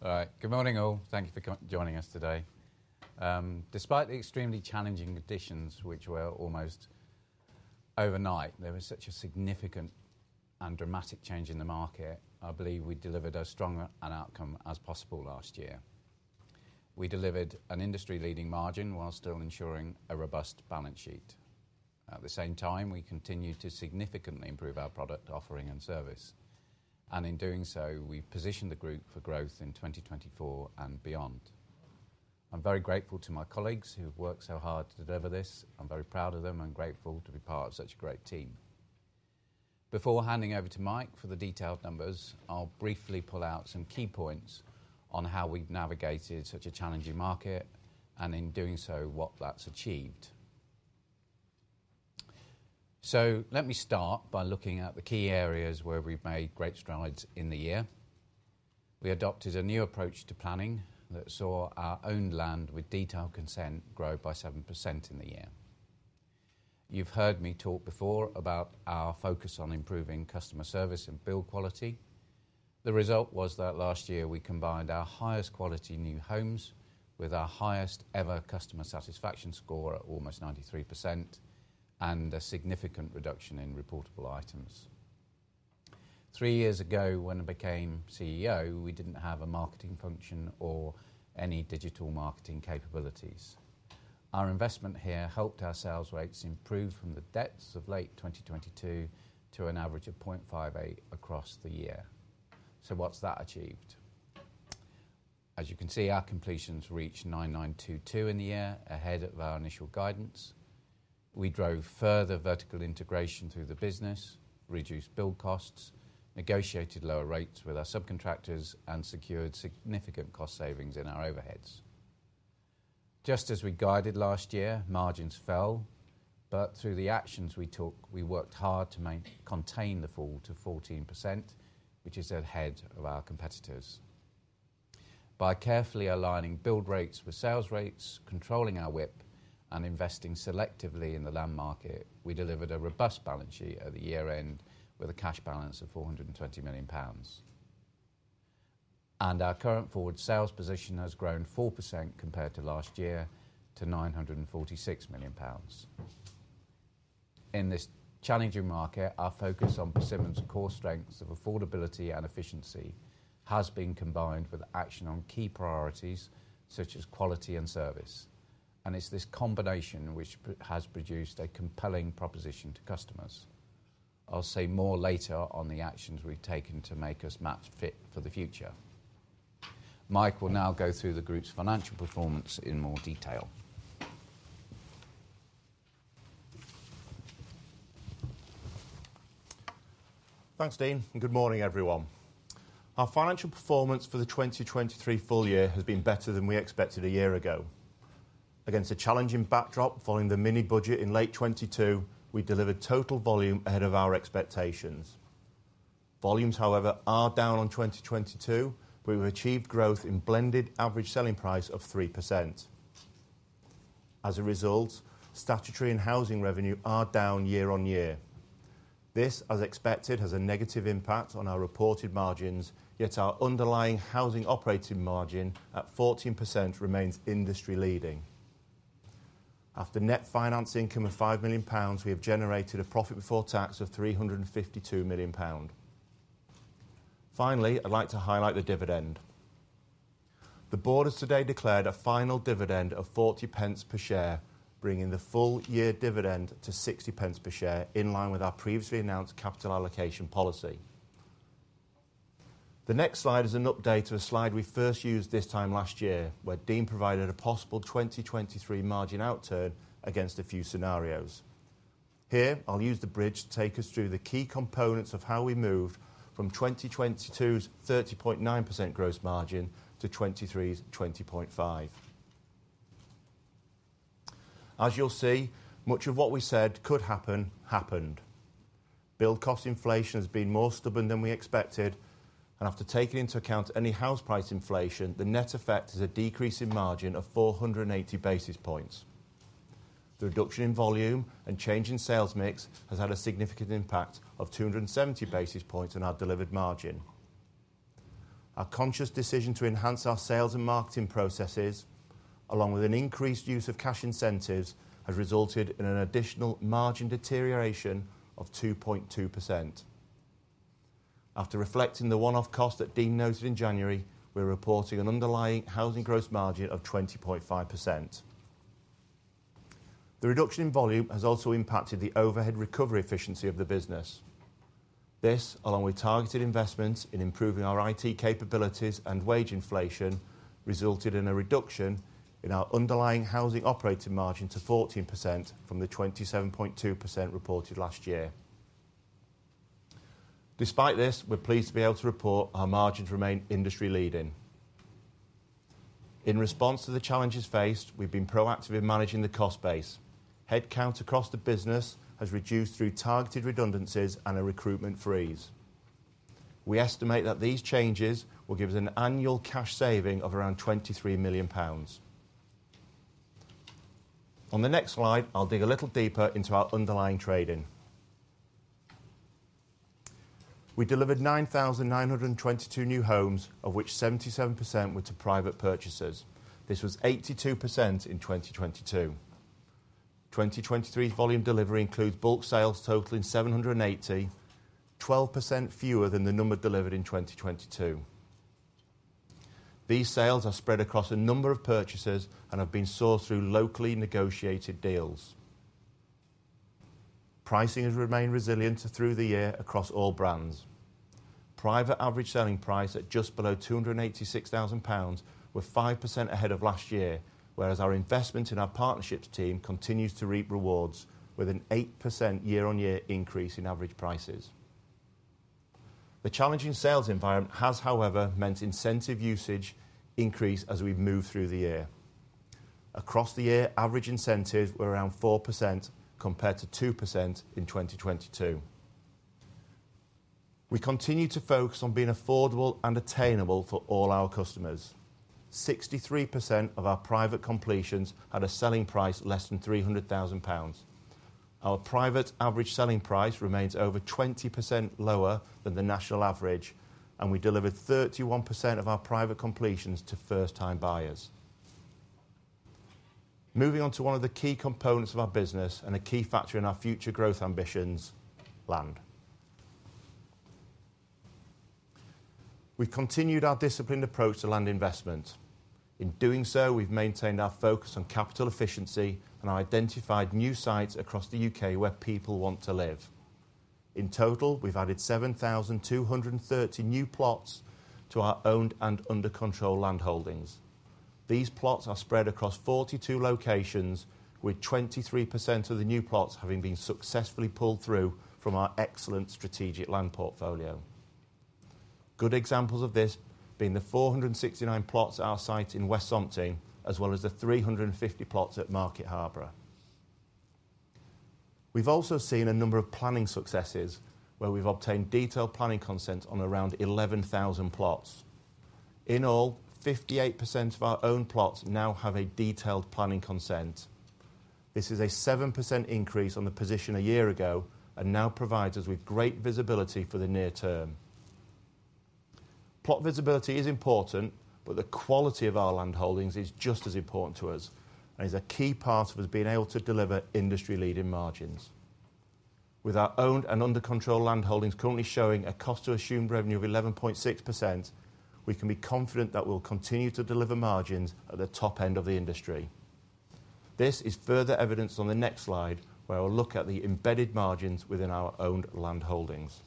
All right. Good morning, all. Thank you for joining us today. Despite the extremely challenging conditions, which were almost overnight, there was such a significant and dramatic change in the market. I believe we delivered as strong an outcome as possible last year. We delivered an industry-leading margin while still ensuring a robust balance sheet. At the same time, we continued to significantly improve our product offering and service, and in doing so, we positioned the group for growth in 2024 and beyond. I'm very grateful to my colleagues who have worked so hard to deliver this. I'm very proud of them and grateful to be part of such a great team. Before handing over to Mike for the detailed numbers, I'll briefly pull out some key points on how we've navigated such a challenging market and, in doing so, what that's achieved. So let me start by looking at the key areas where we've made great strides in the year. We adopted a new approach to planning that saw our owned land with detailed consent grow by 7% in the year. You've heard me talk before about our focus on improving customer service and build quality. The result was that last year we combined our highest quality new homes with our highest-ever customer satisfaction score at almost 93% and a significant reduction in reportable items. Three years ago, when I became CEO, we didn't have a marketing function or any digital marketing capabilities. Our investment here helped our sales rates improve from the depths of late 2022 to an average of 0.58 across the year. So what's that achieved? As you can see, our completions reached 9,922 in the year, ahead of our initial guidance. We drove further vertical integration through the business, reduced build costs, negotiated lower rates with our subcontractors, and secured significant cost savings in our overheads. Just as we guided last year, margins fell, but through the actions we took, we worked hard to maintain the fall to 14%, which is ahead of our competitors. By carefully aligning build rates with sales rates, controlling our WIP, and investing selectively in the land market, we delivered a robust balance sheet at the year-end with a cash balance of 420 million pounds. Our current forward sales position has grown 4% compared to last year to 946 million pounds. In this challenging market, our focus on Persimmon's core strengths of affordability and efficiency has been combined with action on key priorities such as quality and service, and it's this combination which has produced a compelling proposition to customers. I'll say more later on the actions we've taken to make us match fit for the future. Mike will now go through the group's financial performance in more detail. Thanks, Dean, and good morning, everyone. Our financial performance for the 2023 full year has been better than we expected a year ago. Against a challenging backdrop following the mini-budget in late 2022, we delivered total volume ahead of our expectations. Volumes, however, are down on 2022, but we've achieved growth in blended average selling price of 3%. As a result, statutory and housing revenue are down year on year. This, as expected, has a negative impact on our reported margins, yet our underlying housing operating margin at 14% remains industry-leading. After net finance income of 5 million pounds, we have generated a profit before tax of 352 million pound. Finally, I'd like to highlight the dividend. The board has today declared a final dividend of 0.40 per share, bringing the full-year dividend to 0.60 per share in line with our previously announced capital allocation policy. The next slide is an update to a slide we first used this time last year, where Dean provided a possible 2023 margin outturn against a few scenarios. Here, I'll use the bridge to take us through the key components of how we moved from 2022's 30.9% gross margin to 2023's 20.5%. As you'll see, much of what we said could happen happened. Build cost inflation has been more stubborn than we expected, and after taking into account any house price inflation, the net effect is a decrease in margin of 480 basis points. The reduction in volume and change in sales mix has had a significant impact of 270 basis points on our delivered margin. Our conscious decision to enhance our sales and marketing processes, along with an increased use of cash incentives, has resulted in an additional margin deterioration of 2.2%. After reflecting the one-off cost that Dean noted in January, we're reporting an underlying housing gross margin of 20.5%. The reduction in volume has also impacted the overhead recovery efficiency of the business. This, along with targeted investments in improving our IT capabilities and wage inflation, resulted in a reduction in our underlying housing operating margin to 14% from the 27.2% reported last year. Despite this, we're pleased to be able to report our margins remain industry-leading. In response to the challenges faced, we've been proactive in managing the cost base. Headcount across the business has reduced through targeted redundancies and a recruitment freeze. We estimate that these changes will give us an annual cash saving of around 23 million pounds. On the next slide, I'll dig a little deeper into our underlying trading. We delivered 9,922 new homes, of which 77% were to private purchasers. This was 82% in 2022. 2023's volume delivery includes bulk sales totaling 780, 12% fewer than the number delivered in 2022. These sales are spread across a number of purchasers and have been sought through locally negotiated deals. Pricing has remained resilient through the year across all brands. Private average selling price at just below 286,000 pounds were 5% ahead of last year, whereas our investment in our partnerships team continues to reap rewards with an 8% year-on-year increase in average prices. The challenging sales environment has, however, meant incentive usage increase as we've moved through the year. Across the year, average incentives were around 4% compared to 2% in 2022. We continue to focus on being affordable and attainable for all our customers. 63% of our private completions had a selling price less than 300,000 pounds. Our private average selling price remains over 20% lower than the national average, and we delivered 31% of our private completions to first-time buyers. Moving on to one of the key components of our business and a key factor in our future growth ambitions: land. We've continued our disciplined approach to land investment. In doing so, we've maintained our focus on capital efficiency and identified new sites across the UK where people want to live. In total, we've added 7,230 new plots to our owned and under-control land holdings. These plots are spread across 42 locations, with 23% of the new plots having been successfully pulled through from our excellent strategic land portfolio. Good examples of this being the 469 plots at our site in West Somerton, as well as the 350 plots at Market Harborough. We've also seen a number of planning successes, where we've obtained detailed planning consent on around 11,000 plots. In all, 58% of our own plots now have a detailed planning consent. This is a 7% increase on the position a year ago and now provides us with great visibility for the near term. Plot visibility is important, but the quality of our land holdings is just as important to us and is a key part of us being able to deliver industry-leading margins. With our owned and under-control land holdings currently showing a cost-to-assumed revenue of 11.6%, we can be confident that we'll continue to deliver margins at the top end of the industry. This is further evidenced on the next slide, where I'll look at the embedded margins within our owned land holdings.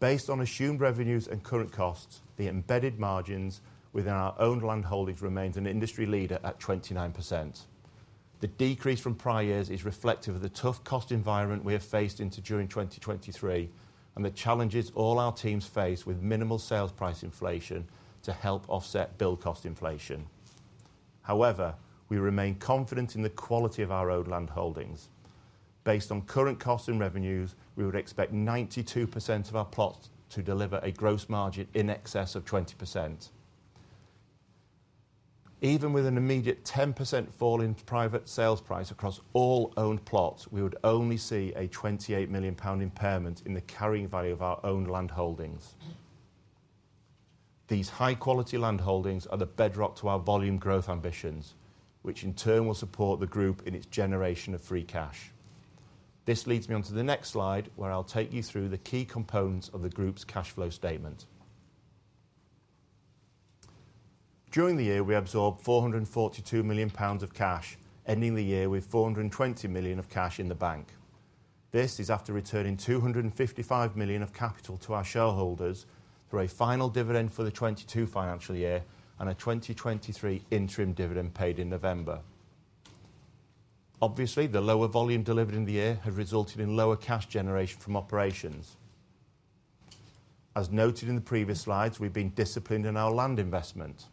Based on assumed revenues and current costs, the embedded margins within our owned land holdings remain an industry leader at 29%. The decrease from prior years is reflective of the tough cost environment we have faced into June 2023 and the challenges all our teams face with minimal sales price inflation to help offset build cost inflation. However, we remain confident in the quality of our owned land holdings. Based on current costs and revenues, we would expect 92% of our plots to deliver a gross margin in excess of 20%. Even with an immediate 10% fall in private sales price across all owned plots, we would only see a 28 million pound impairment in the carrying value of our owned land holdings. These high-quality land holdings are the bedrock to our volume growth ambitions, which in turn will support the group in its generation of free cash. This leads me onto the next slide, where I'll take you through the key components of the group's cash flow statement. During the year, we absorbed 442 million pounds of cash, ending the year with 420 million of cash in the bank. This is after returning 255 million of cash to our shareholders through a final dividend for the 2022 financial year and a 2023 interim dividend paid in November. Obviously, the lower volume delivered in the year had resulted in lower cash generation from operations. As noted in the previous slides, we've been disciplined in our land investment.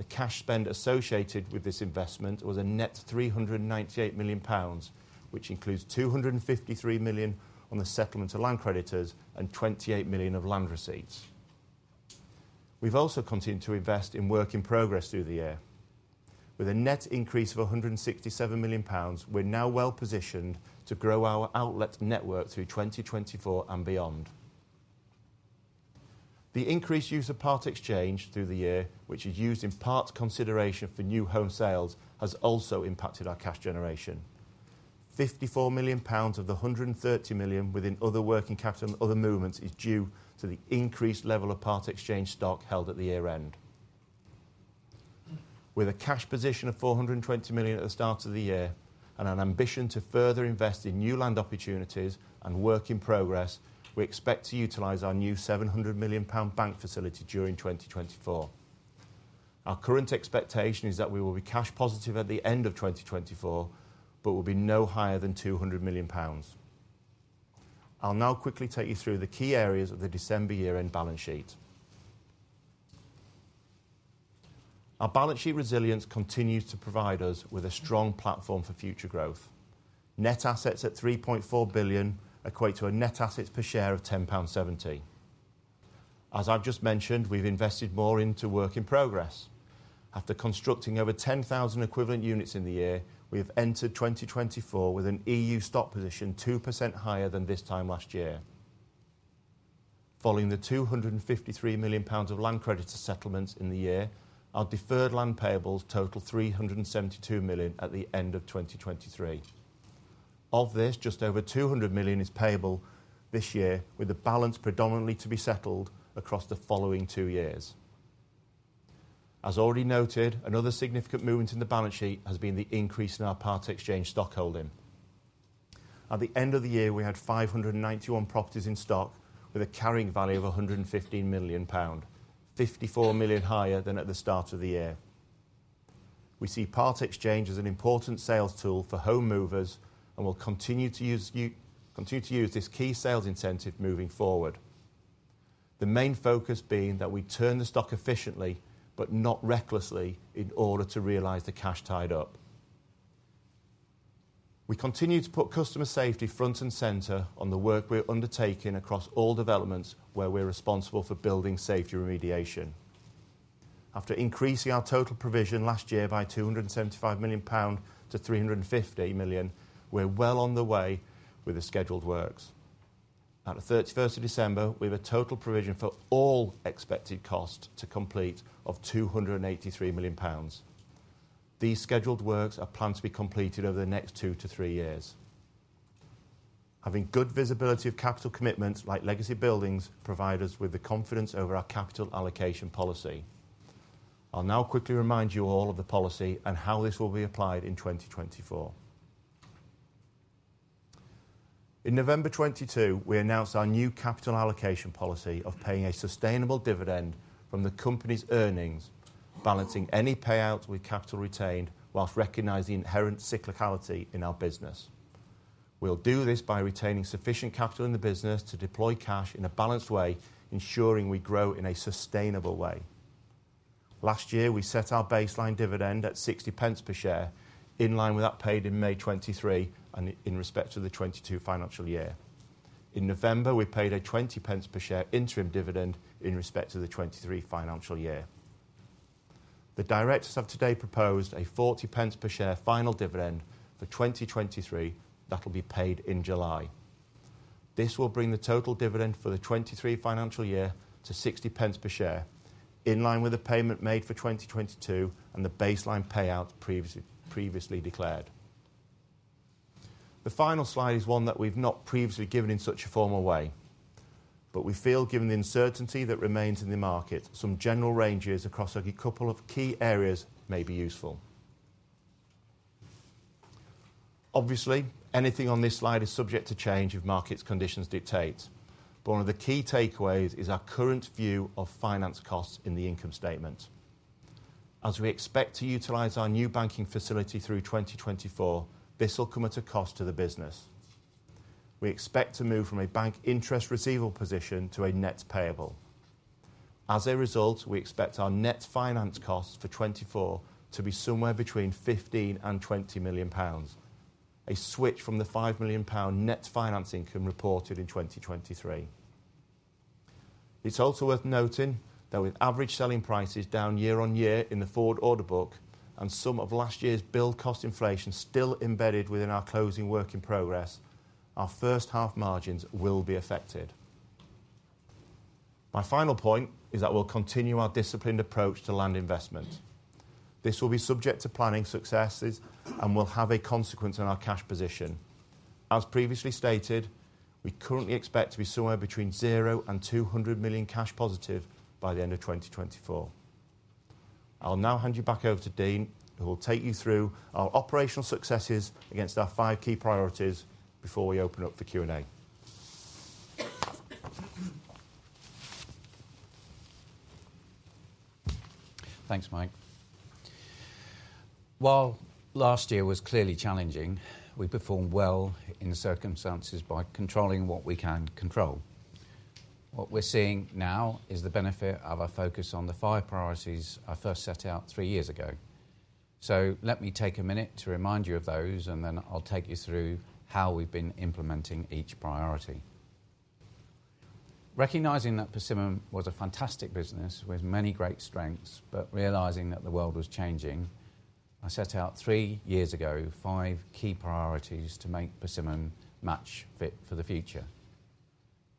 The cash spend associated with this investment was a net 398 million pounds, which includes 253 million on the settlement to land creditors and 28 million of land receipts. We've also continued to invest in work in progress through the year. With a net increase of 167 million pounds, we're now well positioned to grow our outlet network through 2024 and beyond. The increased use of part exchange through the year, which is used in part consideration for new home sales, has also impacted our cash generation. 54 million pounds of the 130 million within other working capital and other movements is due to the increased level of part exchange stock held at the year-end. With a cash position of 420 million at the start of the year and an ambition to further invest in new land opportunities and work in progress, we expect to utilize our new GBP 700 million bank facility during 2024. Our current expectation is that we will be cash positive at the end of 2024, but will be no higher than 200 million pounds. I'll now quickly take you through the key areas of the December year-end balance sheet. Our balance sheet resilience continues to provide us with a strong platform for future growth. Net assets at 3.4 billion equate to a net assets per share of 10.70 pound. As I've just mentioned, we've invested more into work in progress. After constructing over 10,000 equivalent units in the year, we have entered 2024 with an EU stock position 2% higher than this time last year. Following the 253 million pounds of land creditors settlements in the year, our deferred land payables total 372 million at the end of 2023. Of this, just over 200 million is payable this year, with the balance predominantly to be settled across the following two years. As already noted, another significant movement in the balance sheet has been the increase in our part exchange stock holding. At the end of the year, we had 591 properties in stock with a carrying value of 115 million pound, 54 million higher than at the start of the year. We see part exchange as an important sales tool for home movers and will continue to use this key sales incentive moving forward, the main focus being that we turn the stock efficiently but not recklessly in order to realize the cash tied up. We continue to put customer safety front and centre on the work we're undertaking across all developments where we're responsible for building safety remediation. After increasing our total provision last year by 275 million pound to 350 million, we're well on the way with the scheduled works. At 31st of December, we have a total provision for all expected costs to complete of 283 million pounds. These scheduled works are planned to be completed over the next 2-3 years. Having good visibility of capital commitments like legacy buildings provides us with the confidence over our capital allocation policy. I'll now quickly remind you all of the policy and how this will be applied in 2024. In November 2022, we announced our new capital allocation policy of paying a sustainable dividend from the company's earnings, balancing any payouts with capital retained whilst recognising inherent cyclicality in our business. We'll do this by retaining sufficient capital in the business to deploy cash in a balanced way, ensuring we grow in a sustainable way. Last year, we set our baseline dividend at 0.60 per share in line with that paid in May 2023 and in respect to the 2022 financial year. In November, we paid a 0.20 per share interim dividend in respect to the 2023 financial year. The directors have today proposed a 0.40 per share final dividend for 2023 that'll be paid in July. This will bring the total dividend for the 2023 financial year to 0.60 per share, in line with the payment made for 2022 and the baseline payout previously declared. The final slide is one that we've not previously given in such a formal way, but we feel, given the uncertainty that remains in the market, some general ranges across a couple of key areas may be useful. Obviously, anything on this slide is subject to change if market conditions dictate, but one of the key takeaways is our current view of finance costs in the income statement. As we expect to utilize our new banking facility through 2024, this will come at a cost to the business. We expect to move from a bank interest receivable position to a net payable. As a result, we expect our net finance costs for 2024 to be somewhere between 15 million-20 million pounds, a switch from the 5 million pound net finance income reported in 2023. It's also worth noting that with average selling prices down year-over-year in the forward order book and some of last year's build cost inflation still embedded within our closing work in progress, our first-half margins will be affected. My final point is that we'll continue our disciplined approach to land investment. This will be subject to planning successes and will have a consequence on our cash position. As previously stated, we currently expect to be somewhere between 0 and 200 million cash positive by the end of 2024. I'll now hand you back over to Dean, who will take you through our operational successes against our five key priorities before we open up for Q&A. Thanks, Mike. While last year was clearly challenging, we performed well in the circumstances by controlling what we can control. What we're seeing now is the benefit of our focus on the five priorities I first set out three years ago. Let me take a minute to remind you of those, and then I'll take you through how we've been implementing each priority. Recognizing that Persimmon was a fantastic business with many great strengths, but realizing that the world was changing, I set out three years ago five key priorities to make Persimmon match fit for the future.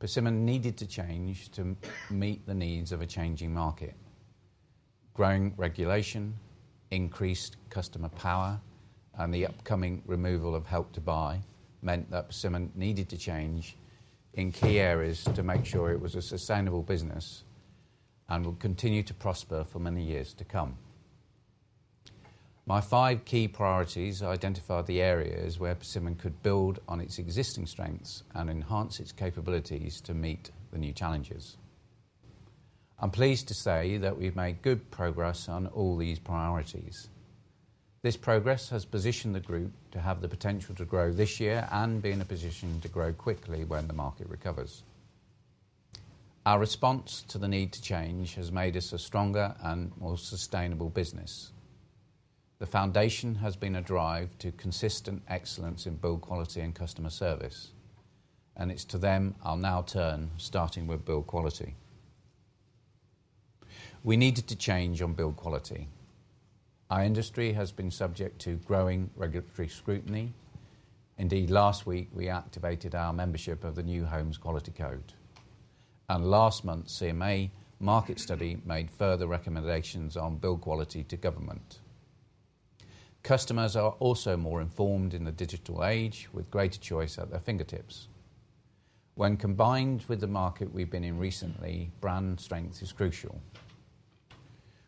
Persimmon needed to change to meet the needs of a changing market. Growing regulation, increased customer power, and the upcoming removal of Help to Buy meant that Persimmon needed to change in key areas to make sure it was a sustainable business and will continue to prosper for many years to come. My five key priorities identified the areas where Persimmon could build on its existing strengths and enhance its capabilities to meet the new challenges. I'm pleased to say that we've made good progress on all these priorities. This progress has positioned the group to have the potential to grow this year and be in a position to grow quickly when the market recovers. Our response to the need to change has made us a stronger and more sustainable business. The foundation has been a drive to consistent excellence in build quality and customer service, and it's to them I'll now turn, starting with build quality. We needed to change on build quality. Our industry has been subject to growing regulatory scrutiny. Indeed, last week we activated our membership of the New Homes Quality Code, and last month CMA Market Study made further recommendations on build quality to government. Customers are also more informed in the digital age, with greater choice at their fingertips. When combined with the market we've been in recently, brand strength is crucial.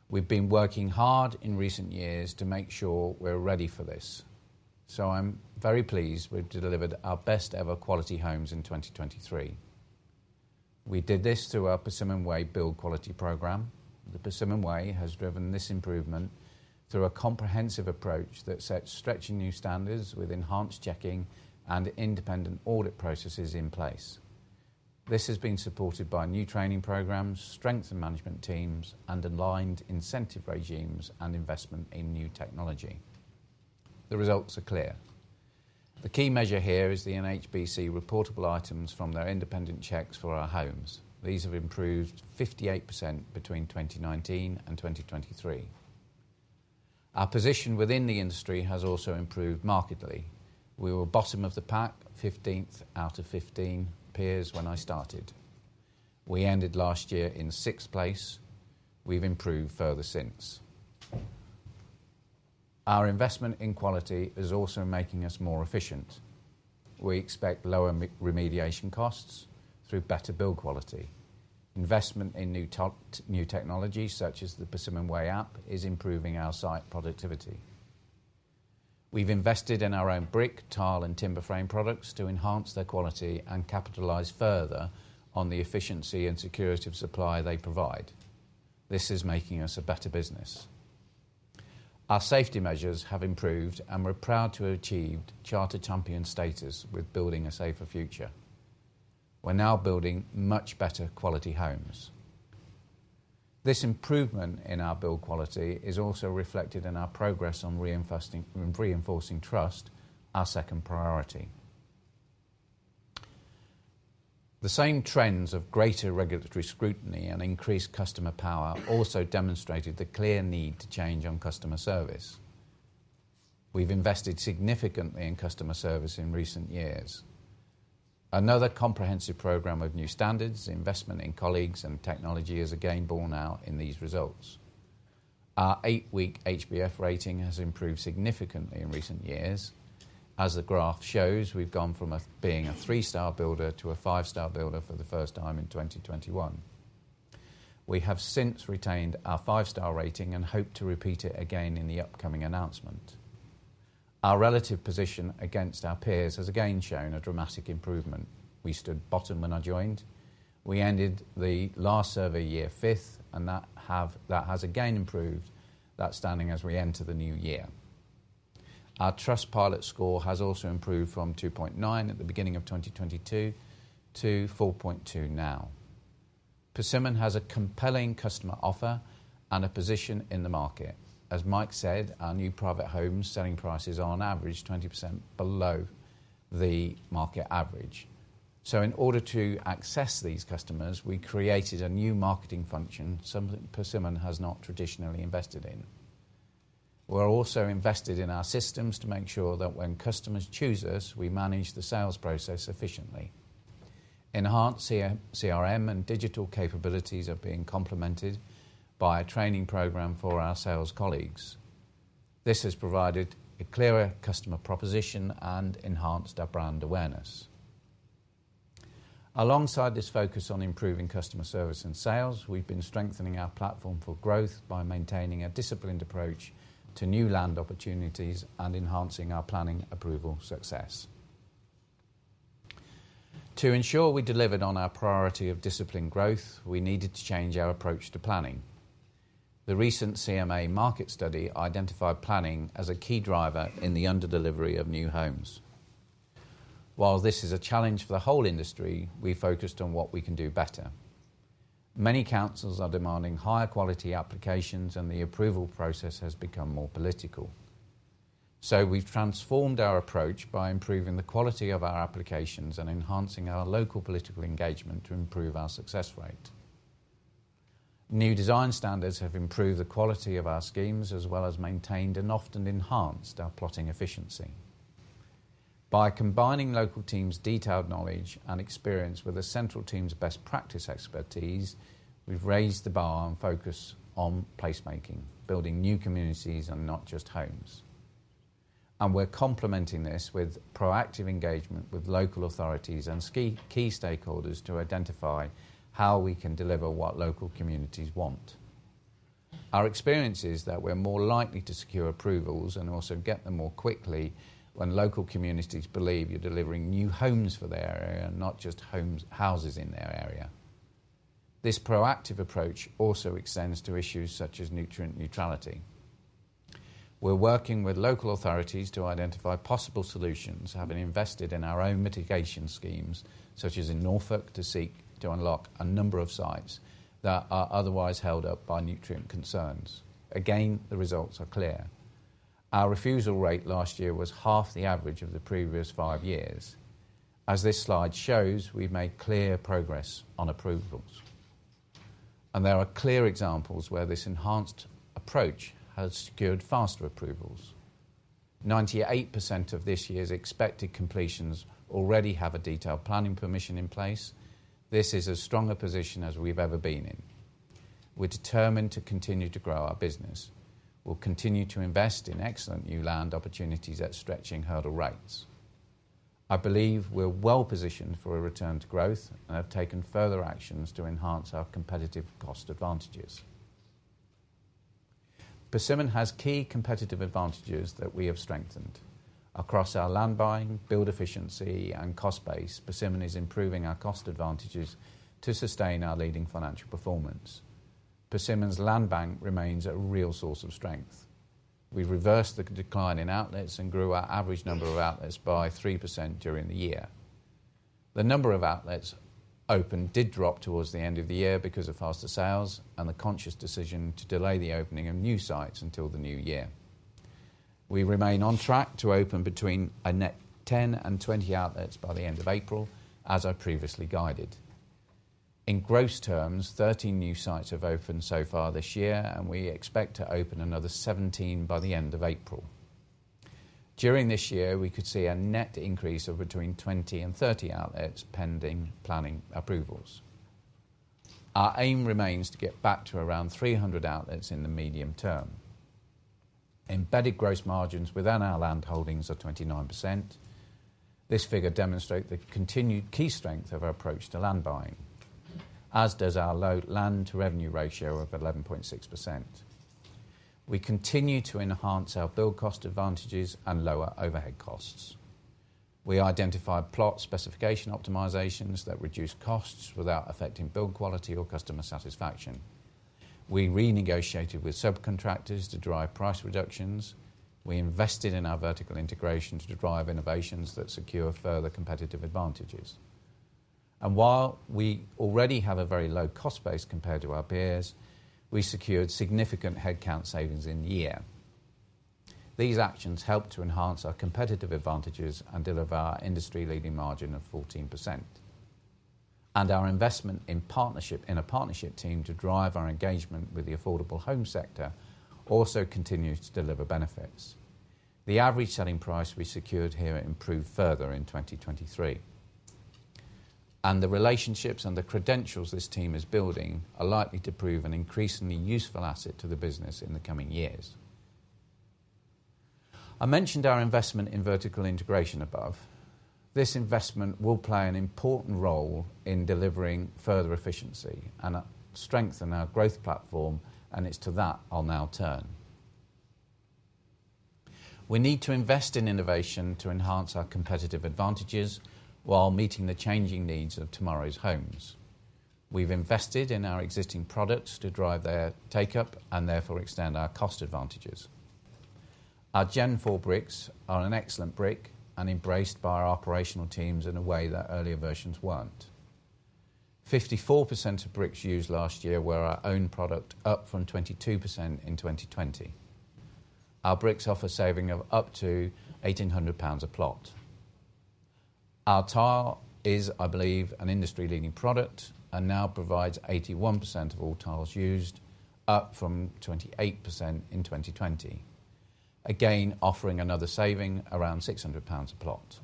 We've been working hard in recent years to make sure we're ready for this, so I'm very pleased we've delivered our best-ever quality homes in 2023. We did this through our Persimmon Way build quality program. The Persimmon Way has driven this improvement through a comprehensive approach that sets stretching new standards with enhanced checking and independent audit processes in place. This has been supported by new training programs, strengthened management teams, and aligned incentive regimes and investment in new technology. The results are clear. The key measure here is the NHBC reportable items from their independent checks for our homes. These have improved 58% between 2019 and 2023. Our position within the industry has also improved markedly. We were bottom of the pack, 15th out of 15 peers when I started. We ended last year in sixth place. We've improved further since. Our investment in quality is also making us more efficient. We expect lower remediation costs through better build quality. Investment in new technology, such as the Persimmon Way app, is improving our site productivity. We've invested in our own brick, tile, and timber frame products to enhance their quality and capitalize further on the efficiency and security of supply they provide. This is making us a better business. Our safety measures have improved, and we're proud to have achieved Charter Champion status with Building a Safer Future. We're now building much better quality homes. This improvement in our build quality is also reflected in our progress on reinforcing trust, our second priority. The same trends of greater regulatory scrutiny and increased customer power also demonstrated the clear need to change on customer service. We've invested significantly in customer service in recent years. Another comprehensive program of new standards, investment in colleagues, and technology is again borne out in these results. Our eight-week HBF rating has improved significantly in recent years. As the graph shows, we've gone from being a three-star builder to a five-star builder for the first time in 2021. We have since retained our five-star rating and hope to repeat it again in the upcoming announcement. Our relative position against our peers has again shown a dramatic improvement. We stood bottom when I joined. We ended the last survey year fifth, and that has again improved, that standing as we enter the new year. Our Trustpilot score has also improved from 2.9 at the beginning of 2022 to 4.2 now. Persimmon has a compelling customer offer and a position in the market. As Mike said, our new private homes selling prices are on average 20% below the market average. So in order to access these customers, we created a new marketing function Persimmon has not traditionally invested in. We're also invested in our systems to make sure that when customers choose us, we manage the sales process efficiently. Enhanced CRM and digital capabilities are being complemented by a training program for our sales colleagues. This has provided a clearer customer proposition and enhanced our brand awareness. Alongside this focus on improving customer service and sales, we've been strengthening our platform for growth by maintaining a disciplined approach to new land opportunities and enhancing our planning approval success. To ensure we delivered on our priority of disciplined growth, we needed to change our approach to planning. The recent CMA Market Study identified planning as a key driver in the under-delivery of new homes. While this is a challenge for the whole industry, we focused on what we can do better. Many councils are demanding higher quality applications, and the approval process has become more political. So we've transformed our approach by improving the quality of our applications and enhancing our local political engagement to improve our success rate. New design standards have improved the quality of our schemes as well as maintained and often enhanced our plotting efficiency. By combining local teams' detailed knowledge and experience with the central team's best practice expertise, we've raised the bar and focus on placemaking, building new communities and not just homes. We're complementing this with proactive engagement with local authorities and key stakeholders to identify how we can deliver what local communities want. Our experience is that we're more likely to secure approvals and also get them more quickly when local communities believe you're delivering new homes for their area, not just houses in their area. This proactive approach also extends to issues such as nutrient neutrality. We're working with local authorities to identify possible solutions, having invested in our own mitigation schemes, such as in Norfolk, to seek to unlock a number of sites that are otherwise held up by nutrient concerns. Again, the results are clear. Our refusal rate last year was half the average of the previous five years. As this slide shows, we've made clear progress on approvals. There are clear examples where this enhanced approach has secured faster approvals. 98% of this year's expected completions already have a detailed planning permission in place. This is as strong a position as we've ever been in. We're determined to continue to grow our business. We'll continue to invest in excellent new land opportunities at stretching hurdle rates. I believe we're well positioned for a return to growth and have taken further actions to enhance our competitive cost advantages. Persimmon has key competitive advantages that we have strengthened. Across our land buying, build efficiency, and cost base, Persimmon is improving our cost advantages to sustain our leading financial performance. Persimmon's land bank remains a real source of strength. We reversed the decline in outlets and grew our average number of outlets by 3% during the year. The number of outlets opened did drop towards the end of the year because of faster sales and the conscious decision to delay the opening of new sites until the new year. We remain on track to open between a net 10 and 20 outlets by the end of April, as I previously guided. In gross terms, 13 new sites have opened so far this year, and we expect to open another 17 by the end of April. During this year, we could see a net increase of between 20 and 30 outlets pending planning approvals. Our aim remains to get back to around 300 outlets in the medium term. Embedded gross margins within our land holdings are 29%. This figure demonstrates the continued key strength of our approach to land buying, as does our low land-to-revenue ratio of 11.6%. We continue to enhance our build cost advantages and lower overhead costs. We identified plot specification optimizations that reduce costs without affecting build quality or customer satisfaction. We renegotiated with subcontractors to drive price reductions. We invested in our vertical integration to drive innovations that secure further competitive advantages. And while we already have a very low cost base compared to our peers, we secured significant headcount savings in the year. These actions helped to enhance our competitive advantages and deliver our industry-leading margin of 14%. Our investment in a partnership team to drive our engagement with the affordable home sector also continues to deliver benefits. The average selling price we secured here improved further in 2023. The relationships and the credentials this team is building are likely to prove an increasingly useful asset to the business in the coming years. I mentioned our investment in vertical integration above. This investment will play an important role in delivering further efficiency and strengthen our growth platform, and it's to that I'll now turn. We need to invest in innovation to enhance our competitive advantages while meeting the changing needs of tomorrow's homes. We've invested in our existing products to drive their takeup and therefore extend our cost advantages. Our Gen 4 bricks are an excellent brick and embraced by our operational teams in a way that earlier versions weren't. 54% of bricks used last year were our own product, up from 22% in 2020. Our bricks offer saving of up to 1,800 pounds a plot. Our tile is, I believe, an industry-leading product and now provides 81% of all tiles used, up from 28% in 2020, again offering another saving around 600 pounds a plot.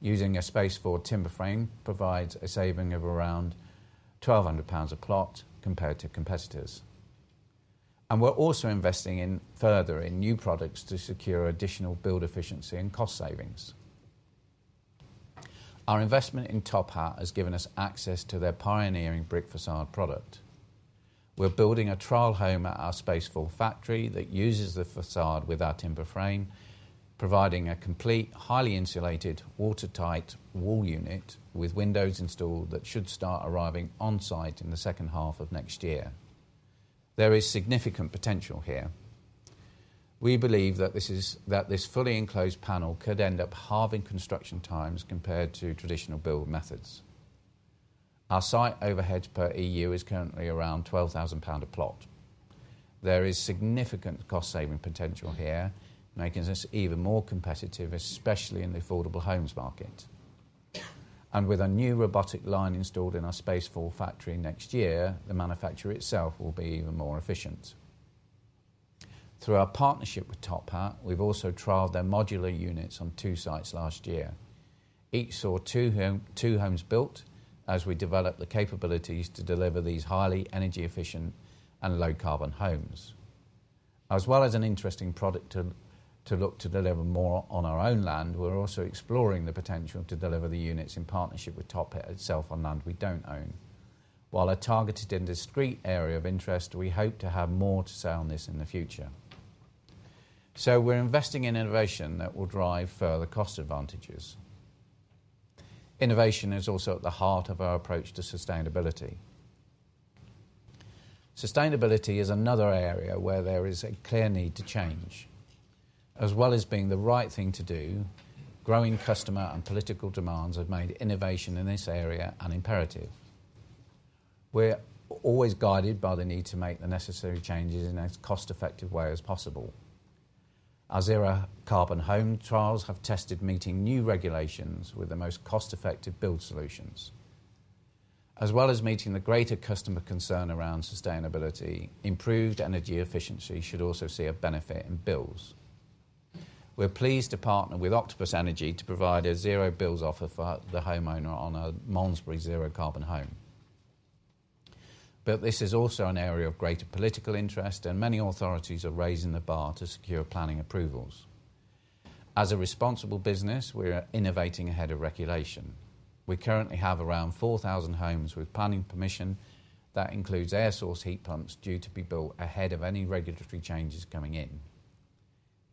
Using Space4 for timber frame provides a saving of around 1,200 pounds a plot compared to competitors. And we're also investing further in new products to secure additional build efficiency and cost savings. Our investment in TopHat has given us access to their pioneering brick façade product. We're building a trial home at our Space4 factory that uses the façade with our timber frame, providing a complete, highly insulated, watertight wall unit with windows installed that should start arriving on site in the second half of next year. There is significant potential here. We believe that this fully enclosed panel could end up halving construction times compared to traditional build methods. Our site overhead per EU is currently around 12,000 pound a plot. There is significant cost-saving potential here, making us even more competitive, especially in the affordable homes market. With a new robotic line installed in our Space4 factory next year, the manufacturer itself will be even more efficient. Through our partnership with TopHat, we've also trialed their modular units on two sites last year. Each saw two homes built as we developed the capabilities to deliver these highly energy-efficient and low-carbon homes. As well as an interesting product to look to deliver more on our own land, we're also exploring the potential to deliver the units in partnership with TopHat itself on land we don't own. While a targeted and discrete area of interest, we hope to have more to sell on this in the future. So we're investing in innovation that will drive further cost advantages. Innovation is also at the heart of our approach to sustainability. Sustainability is another area where there is a clear need to change. As well as being the right thing to do, growing customer and political demands have made innovation in this area an imperative. We're always guided by the need to make the necessary changes in as cost-effective ways as possible. Our zero-carbon home trials have tested meeting new regulations with the most cost-effective build solutions. As well as meeting the greater customer concern around sustainability, improved energy efficiency should also see a benefit in bills. We're pleased to partner with Octopus Energy to provide a Zero Bills offer for the homeowner on a Malmesbury zero-carbon home. But this is also an area of greater political interest, and many authorities are raising the bar to secure planning approvals. As a responsible business, we're innovating ahead of regulation. We currently have around 4,000 homes with planning permission that includes air source heat pumps due to be built ahead of any regulatory changes coming in.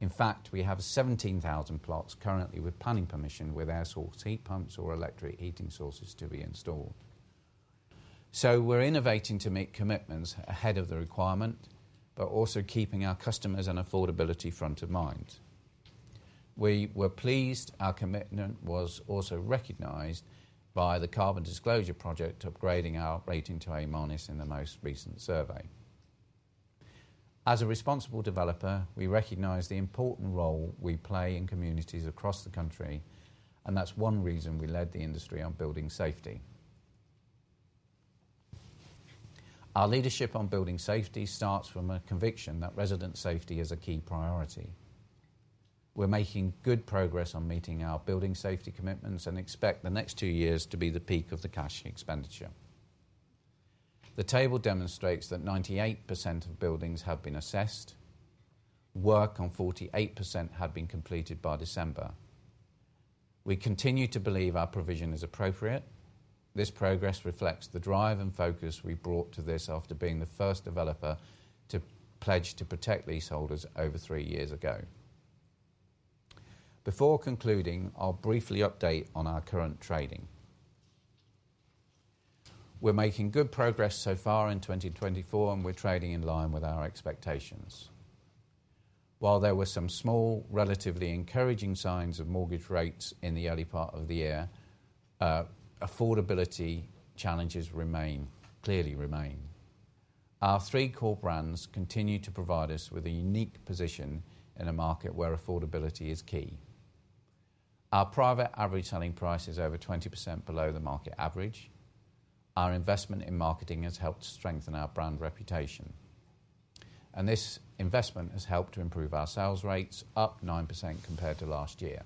In fact, we have 17,000 plots currently with planning permission with air source heat pumps or electric heating sources to be installed. So we're innovating to meet commitments ahead of the requirement, but also keeping our customers and affordability front of mind. We were pleased our commitment was also recognized by the Carbon Disclosure Project upgrading our rating to A minus in the most recent survey. As a responsible developer, we recognize the important role we play in communities across the country, and that's one reason we led the industry on building safety. Our leadership on building safety starts from a conviction that resident safety is a key priority. We're making good progress on meeting our building safety commitments and expect the next two years to be the peak of the cash expenditure. The table demonstrates that 98% of buildings have been assessed, work on 48% had been completed by December. We continue to believe our provision is appropriate. This progress reflects the drive and focus we brought to this after being the first developer to pledge to protect leaseholders over three years ago. Before concluding, I'll briefly update on our current trading. We're making good progress so far in 2024, and we're trading in line with our expectations. While there were some small, relatively encouraging signs of mortgage rates in the early part of the year, affordability challenges clearly remain. Our three core brands continue to provide us with a unique position in a market where affordability is key. Our private average selling price is over 20% below the market average. Our investment in marketing has helped strengthen our brand reputation. This investment has helped to improve our sales rates, up 9% compared to last year.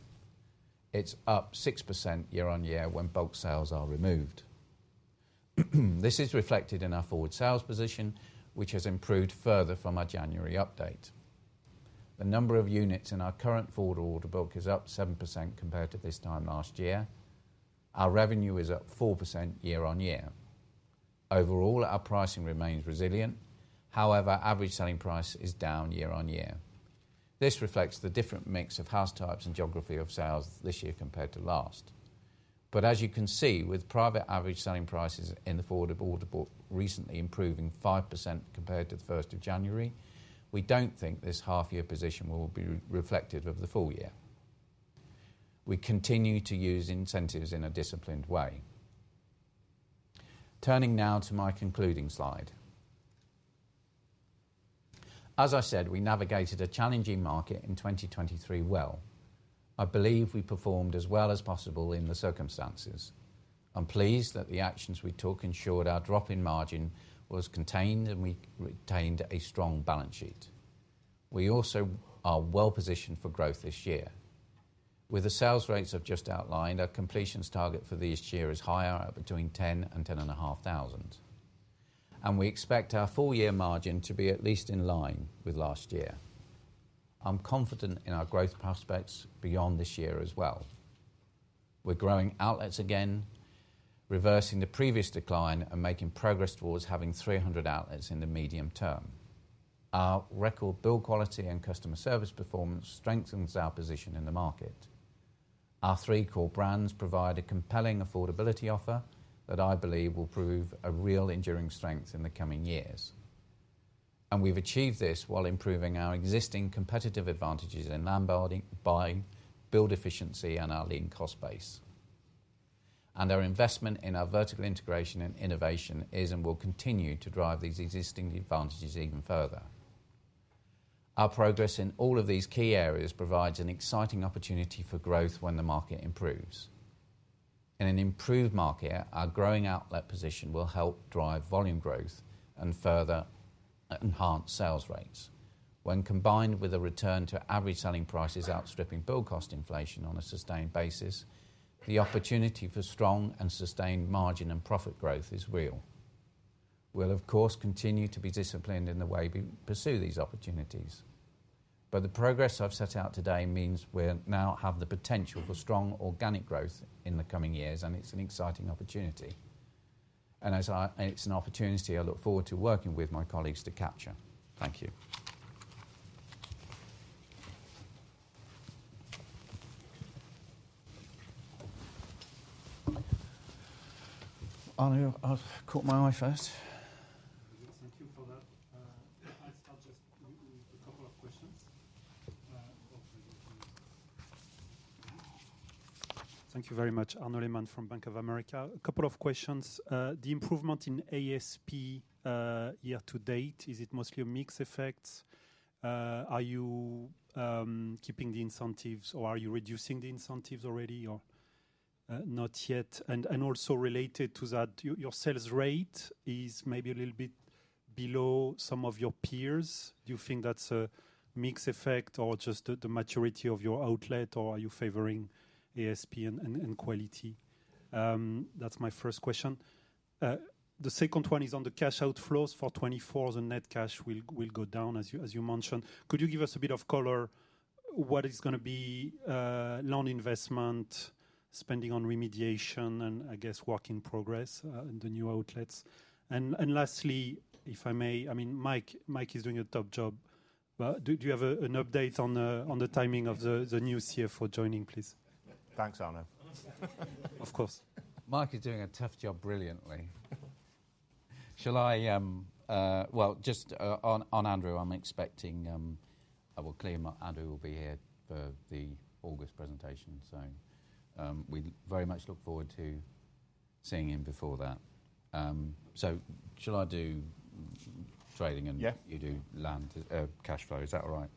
It's up 6% year on year when bulk sales are removed. This is reflected in our forward sales position, which has improved further from our January update. The number of units in our current forward order book is up 7% compared to this time last year. Our revenue is up 4% year on year. Overall, our pricing remains resilient. However, average selling price is down year on year. This reflects the different mix of house types and geography of sales this year compared to last. But as you can see, with private average selling prices in the forward order book recently improving 5% compared to the 1st of January, we don't think this half-year position will be reflective of the full year. We continue to use incentives in a disciplined way. Turning now to my concluding slide. As I said, we navigated a challenging market in 2023 well. I believe we performed as well as possible in the circumstances. I'm pleased that the actions we took ensured our drop in margin was contained and we retained a strong balance sheet. We also are well positioned for growth this year. With the sales rates I've just outlined, our completions target for this year is higher at between 10,000 and 10,500. And we expect our full-year margin to be at least in line with last year. I'm confident in our growth prospects beyond this year as well. We're growing outlets again, reversing the previous decline, and making progress towards having 300 outlets in the medium term. Our record build quality and customer service performance strengthens our position in the market. Our three core brands provide a compelling affordability offer that I believe will prove a real enduring strength in the coming years. We've achieved this while improving our existing competitive advantages in land buying, build efficiency, and our lean cost base. Our investment in our vertical integration and innovation is and will continue to drive these existing advantages even further. Our progress in all of these key areas provides an exciting opportunity for growth when the market improves. In an improved market, our growing outlet position will help drive volume growth and further enhance sales rates. When combined with a return to average selling prices outstripping build cost inflation on a sustained basis, the opportunity for strong and sustained margin and profit growth is real. We'll, of course, continue to be disciplined in the way we pursue these opportunities. The progress I've set out today means we now have the potential for strong organic growth in the coming years, and it's an exciting opportunity. It's an opportunity I look forward to working with my colleagues to capture. Thank you. Arnaud, I've caught my eye first. Thank you for that. I'll start just with a couple of questions. Thank you very much, Arnaud Lehmann from Bank of America. A couple of questions. The improvement in ASP year to date, is it mostly a mixed effect? Are you keeping the incentives, or are you reducing the incentives already, or not yet? And also related to that, your sales rate is maybe a little bit below some of your peers. Do you think that's a mixed effect or just the maturity of your outlet, or are you favoring ASP and quality? That's my first question. The second one is on the cash outflows for 2024. The net cash will go down, as you mentioned. Could you give us a bit of color? What is going to be land investment, spending on remediation, and I guess work in progress in the new outlets? And lastly, if I may, I mean, Mike is doing a tough job. Do you have an update on the timing of the new CFO joining, please? Thanks, Arnaud. Of course. Mike is doing a tough job brilliantly. Shall I? Well, just on Andrew, I'm expecting I will clear Andrew will be here for the August presentation, so we very much look forward to seeing him before that. So shall I do trading and you do cash flow? Is that all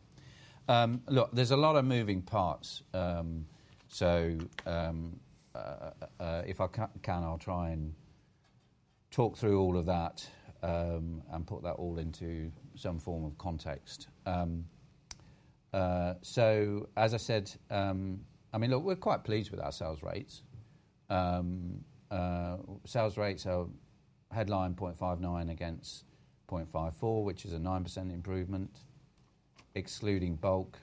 right? Look, there's a lot of moving parts. So if I can, I'll try and talk through all of that and put that all into some form of context. So as I said, I mean, look, we're quite pleased with our sales rates. Sales rates are headline 0.59 against 0.54, which is a 9% improvement, excluding bulk,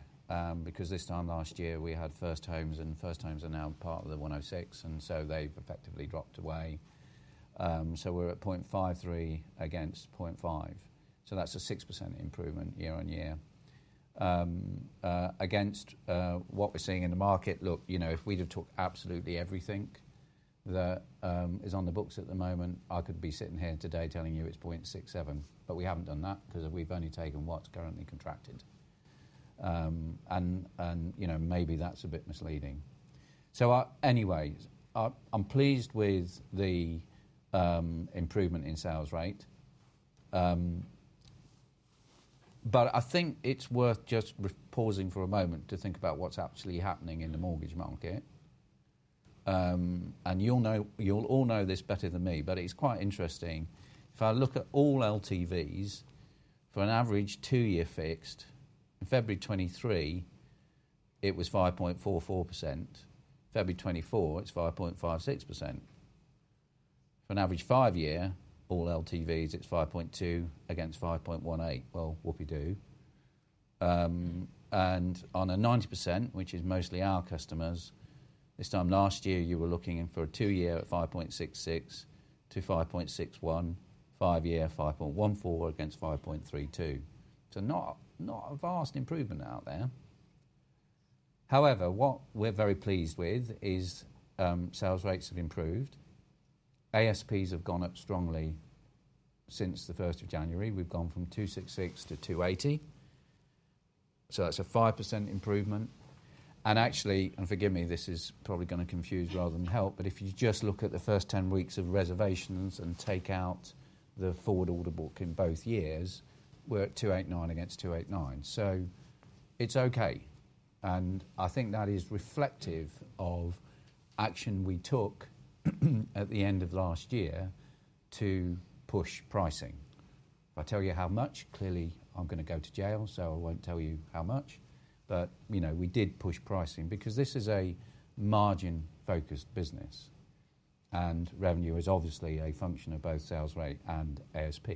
because this time last year we had First Homes, and First Homes are now part of the 106, and so they've effectively dropped away. So we're at 0.53 against 0.5. So that's a 6% improvement year-on-year. Against what we're seeing in the market, look, if we'd have took absolutely everything that is on the books at the moment, I could be sitting here today telling you it's 0.67. But we haven't done that because we've only taken what's currently contracted. And maybe that's a bit misleading. So anyway, I'm pleased with the improvement in sales rate. But I think it's worth just pausing for a moment to think about what's actually happening in the mortgage market. And you'll all know this better than me, but it's quite interesting. If I look at all LTVs, for an average two-year fixed, in February 2023, it was 5.44%. February 2024, it's 5.56%. For an average five-year, all LTVs, it's 5.2% against 5.18%. Well, whoopidoo. On a 90%, which is mostly our customers, this time last year you were looking for a two-year at 5.66-5.61, five-year 5.14 against 5.32. So not a vast improvement out there. However, what we're very pleased with is sales rates have improved. ASPs have gone up strongly since the 1st of January. We've gone from 266 to 280. So that's a 5% improvement. And actually, and forgive me, this is probably going to confuse rather than help, but if you just look at the first 10 weeks of reservations and take out the forward order book in both years, we're at 289 against 289. So it's okay. And I think that is reflective of action we took at the end of last year to push pricing. If I tell you how much, clearly I'm going to go to jail, so I won't tell you how much. But we did push pricing because this is a margin-focused business, and revenue is obviously a function of both sales rate and ASP.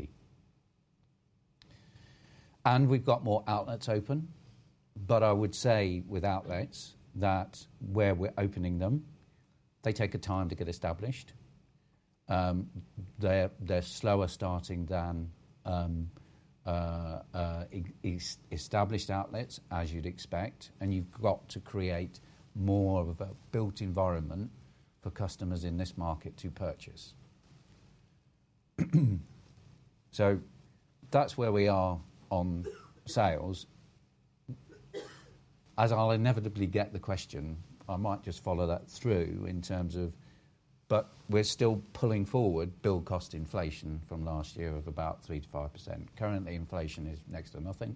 And we've got more outlets open. But I would say with outlets where we're opening them, they take a time to get established. They're slower starting than established outlets, as you'd expect. And you've got to create more of a built environment for customers in this market to purchase. So that's where we are on sales. As I'll inevitably get the question, I might just follow that through in terms of but we're still pulling forward build cost inflation from last year of about 3%-5%. Currently, inflation is next to nothing.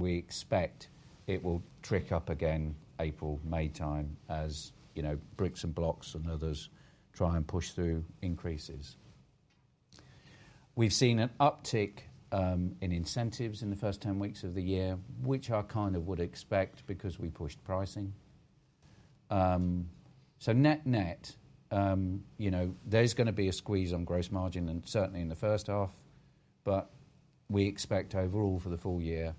We expect it will tick up again April, May time as bricks and blocks and others try and push through increases. We've seen an uptick in incentives in the first 10 weeks of the year, which I kind of would expect because we pushed pricing. So net-net, there's going to be a squeeze on gross margin, and certainly in the first half. But we expect overall for the full year,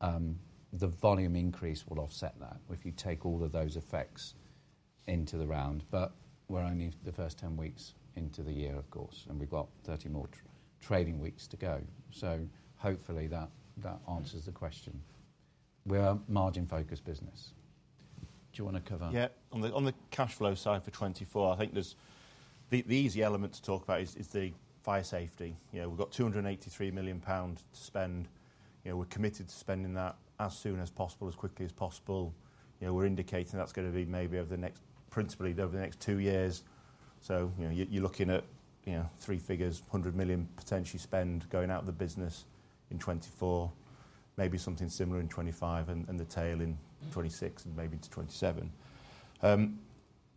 the volume increase will offset that if you take all of those effects into the round. But we're only the first 10 weeks into the year, of course, and we've got 30 more trading weeks to go. So hopefully that answers the question. We're a margin-focused business. Do you want to cover? Yeah. On the cash flow side for 2024, I think the easy element to talk about is the fire safety. We've got 283 million pounds to spend. We're committed to spending that as soon as possible, as quickly as possible. We're indicating that's going to be maybe over the next principally over the next two years. So you're looking at three figures, 100 million potentially spent going out of the business in 2024, maybe something similar in 2025, and the tail in 2026 and maybe into 2027.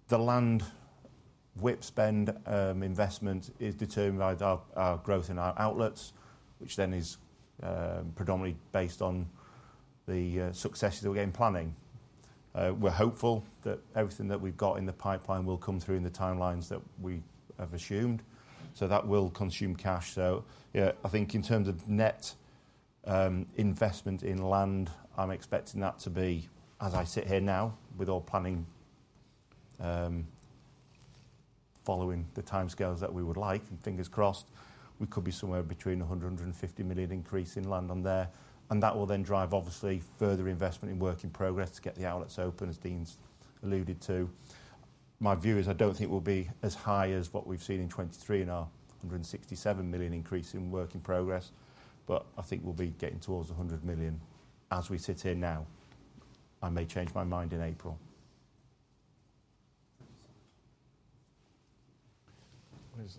The land WIP spend investment is determined by our growth in our outlets, which then is predominantly based on the successes that we're getting planning. We're hopeful that everything that we've got in the pipeline will come through in the timelines that we have assumed. So that will consume cash. So I think in terms of net investment in land, I'm expecting that to be, as I sit here now with all planning following the timescales that we would like, and fingers crossed, we could be somewhere between a 150 million increase in land on there. That will then drive, obviously, further investment in work in progress to get the outlets open, as Dean's alluded to. My view is I don't think it will be as high as what we've seen in 2023 in our 167 million increase in work in progress. But I think we'll be getting towards 100 million as we sit here now. I may change my mind in April. Is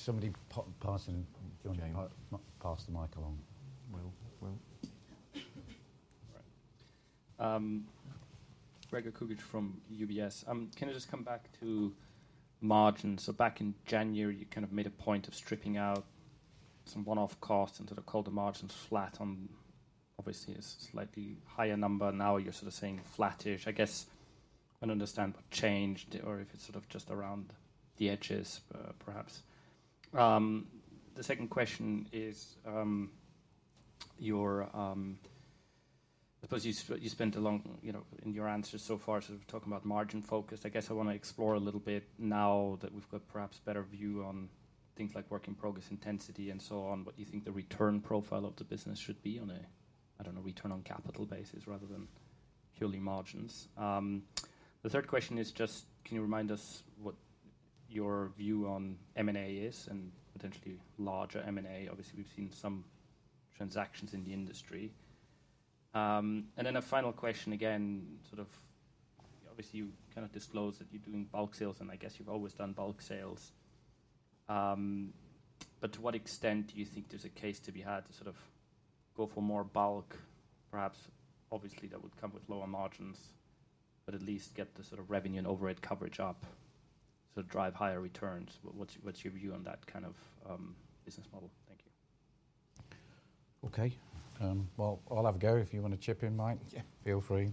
somebody passing? James. Pass the mic along. Will. Will. Gregor Kuglitsch from UBS. Can I just come back to margins? So back in January, you kind of made a point of stripping out some one-off costs and sort of called the margins flat on obviously a slightly higher number. Now you're sort of saying flattish. I guess I don't understand what changed or if it's sort of just around the edges, perhaps. The second question is, I suppose you spent a long in your answers so far sort of talking about margin-focused. I guess I want to explore a little bit now that we've got perhaps a better view on things like work in progress intensity and so on, what you think the return profile of the business should be on a, I don't know, return on capital basis rather than purely margins. The third question is just, can you remind us what your view on M&A is and potentially larger M&A? Obviously, we've seen some transactions in the industry. Then a final question again, sort of obviously, you kind of disclosed that you're doing bulk sales, and I guess you've always done bulk sales. To what extent do you think there's a case to be had to sort of go for more bulk? Perhaps, obviously, that would come with lower margins, but at least get the sort of revenue and overhead coverage up to drive higher returns. What's your view on that kind of business model? Thank you. Okay. Well, I'll have a go. If you want to chip in, Mike, feel free.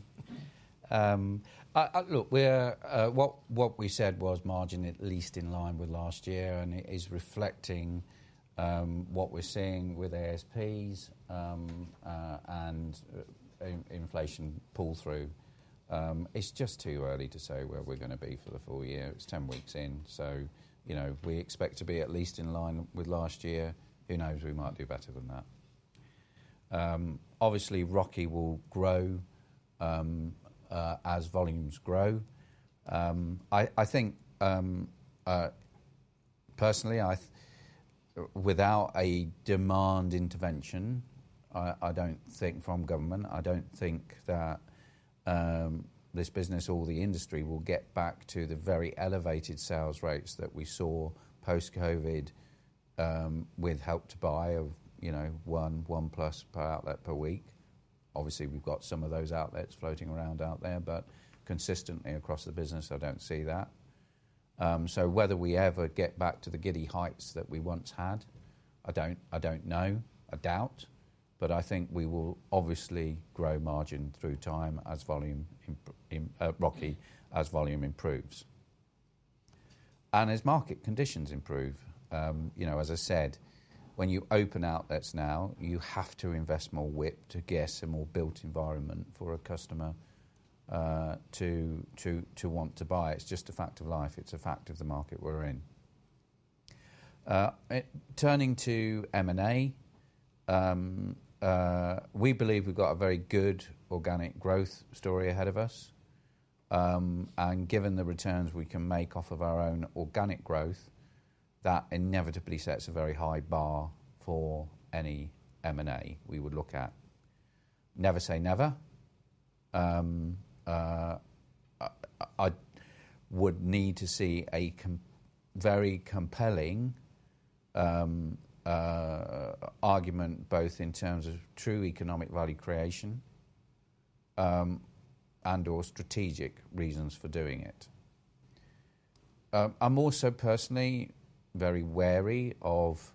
Look, what we said was margin at least in line with last year, and it is reflecting what we're seeing with ASPs and inflation pull through. It's just too early to say where we're going to be for the full year. It's 10 weeks in. So we expect to be at least in line with last year. Who knows? We might do better than that. Obviously, ROCE will grow as volumes grow. I think, personally, without a demand intervention, I don't think from government, I don't think that this business or the industry will get back to the very elevated sales rates that we saw post-COVID with Help to Buy of 1, 1+ per outlet per week. Obviously, we've got some of those outlets floating around out there, but consistently across the business, I don't see that. Whether we ever get back to the giddy heights that we once had, I don't know. I doubt. But I think we will obviously grow margin through time as volume ROCE as volume improves. And as market conditions improve, as I said, when you open outlets now, you have to invest more WIP to get a more built environment for a customer to want to buy. It's just a fact of life. It's a fact of the market we're in. Turning to M&A, we believe we've got a very good organic growth story ahead of us. And given the returns we can make off of our own organic growth, that inevitably sets a very high bar for any M&A we would look at. Never say never. I would need to see a very compelling argument both in terms of true economic value creation and/or strategic reasons for doing it. I'm also personally very wary of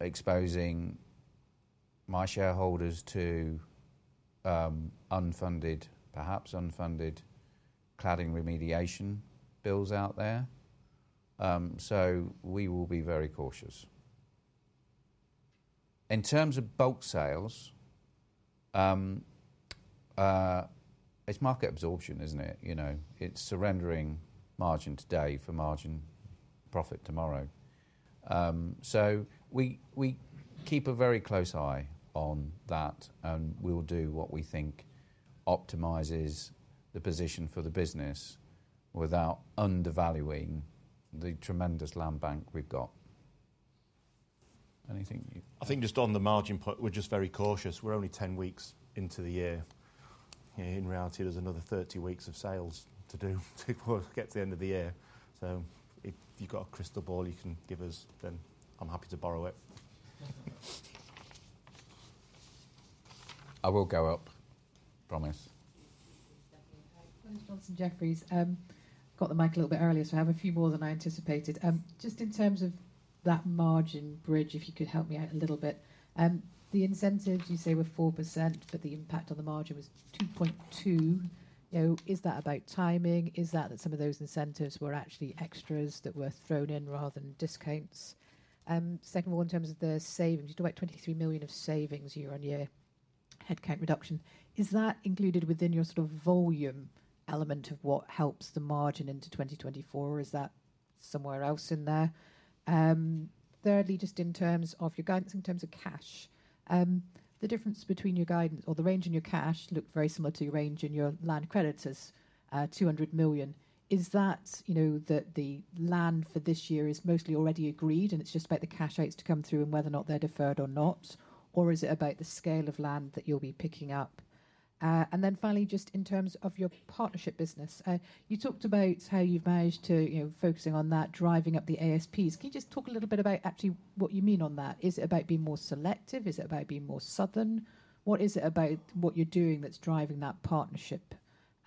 exposing my shareholders to unfunded, perhaps unfunded, cladding remediation bills out there. So we will be very cautious. In terms of bulk sales, it's market absorption, isn't it? It's surrendering margin today for margin profit tomorrow. So we keep a very close eye on that, and we'll do what we think optimizes the position for the business without undervaluing the tremendous land bank we've got. Anything? I think just on the margin point, we're just very cautious. We're only 10 weeks into the year. In reality, there's another 30 weeks of sales to do before we get to the end of the year. So if you've got a crystal ball you can give us, then I'm happy to borrow it. I will go up. Promise. Thanks, Jefferies. Got the mic a little bit earlier, so I have a few more than I anticipated. Just in terms of that margin bridge, if you could help me out a little bit. The incentives, you say were 4%, but the impact on the margin was 2.2%. Is that about timing? Is that that some of those incentives were actually extras that were thrown in rather than discounts? Second one, in terms of the savings, you talk about 23 million of savings year-on-year, headcount reduction. Is that included within your sort of volume element of what helps the margin into 2024, or is that somewhere else in there? Thirdly, just in terms of your guidance, in terms of cash, the difference between your guidance or the range in your cash looked very similar to your range in your land creditors as 200 million. Is that the land for this year is mostly already agreed, and it's just about the cash outs to come through and whether or not they're deferred or not? Or is it about the scale of land that you'll be picking up? And then finally, just in terms of your partnership business, you talked about how you've managed to focusing on that, driving up the ASPs. Can you just talk a little bit about actually what you mean on that? Is it about being more selective? Is it about being more southern? What is it about what you're doing that's driving that partnership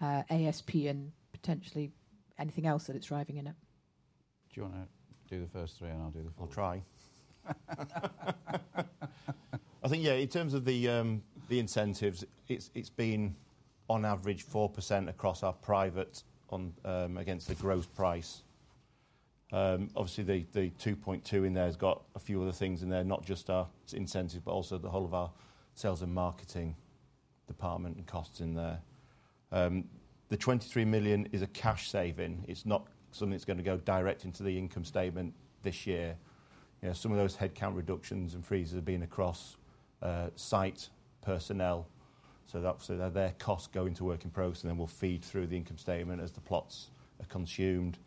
ASP, and potentially anything else that it's driving in it? Do you want to do the first three, and I'll do the fourth? I'll try. I think, yeah, in terms of the incentives, it's been on average 4% across our private against the gross price. Obviously, the 2.2 in there has got a few other things in there, not just our incentives, but also the whole of our sales and marketing department and costs in there. The 23 million is a cash saving. It's not something that's going to go direct into the income statement this year. Some of those headcount reductions and freezes have been across site personnel. So obviously, their costs going to work in progress, and then we'll feed through the income statement as the plots are consumed.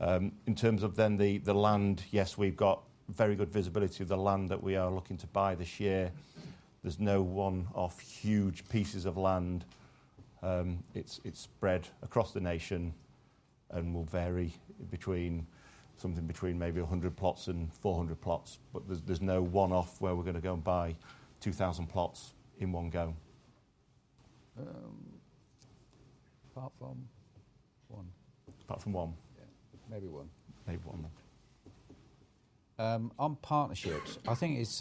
In terms of then the land, yes, we've got very good visibility of the land that we are looking to buy this year. There's no one-off huge pieces of land. It's spread across the nation and will vary something between maybe 100 plots and 400 plots. But there's no one-off where we're going to go and buy 2,000 plots in one go. Apart from one? Apart from one? Yeah. Maybe one. Maybe one, then. On partnerships, I think it's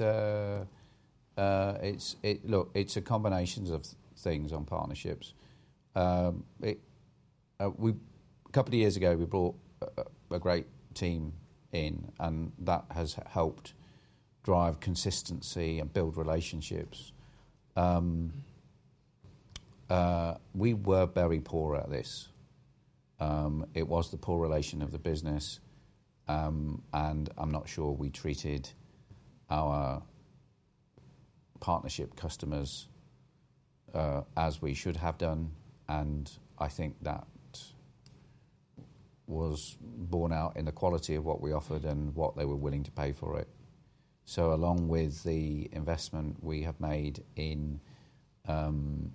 look, it's a combination of things on partnerships. A couple of years ago, we brought a great team in, and that has helped drive consistency and build relationships. We were very poor at this. It was the poor relation of the business, and I'm not sure we treated our partnership customers as we should have done. And I think that was borne out in the quality of what we offered and what they were willing to pay for it. So along with the investment we have made in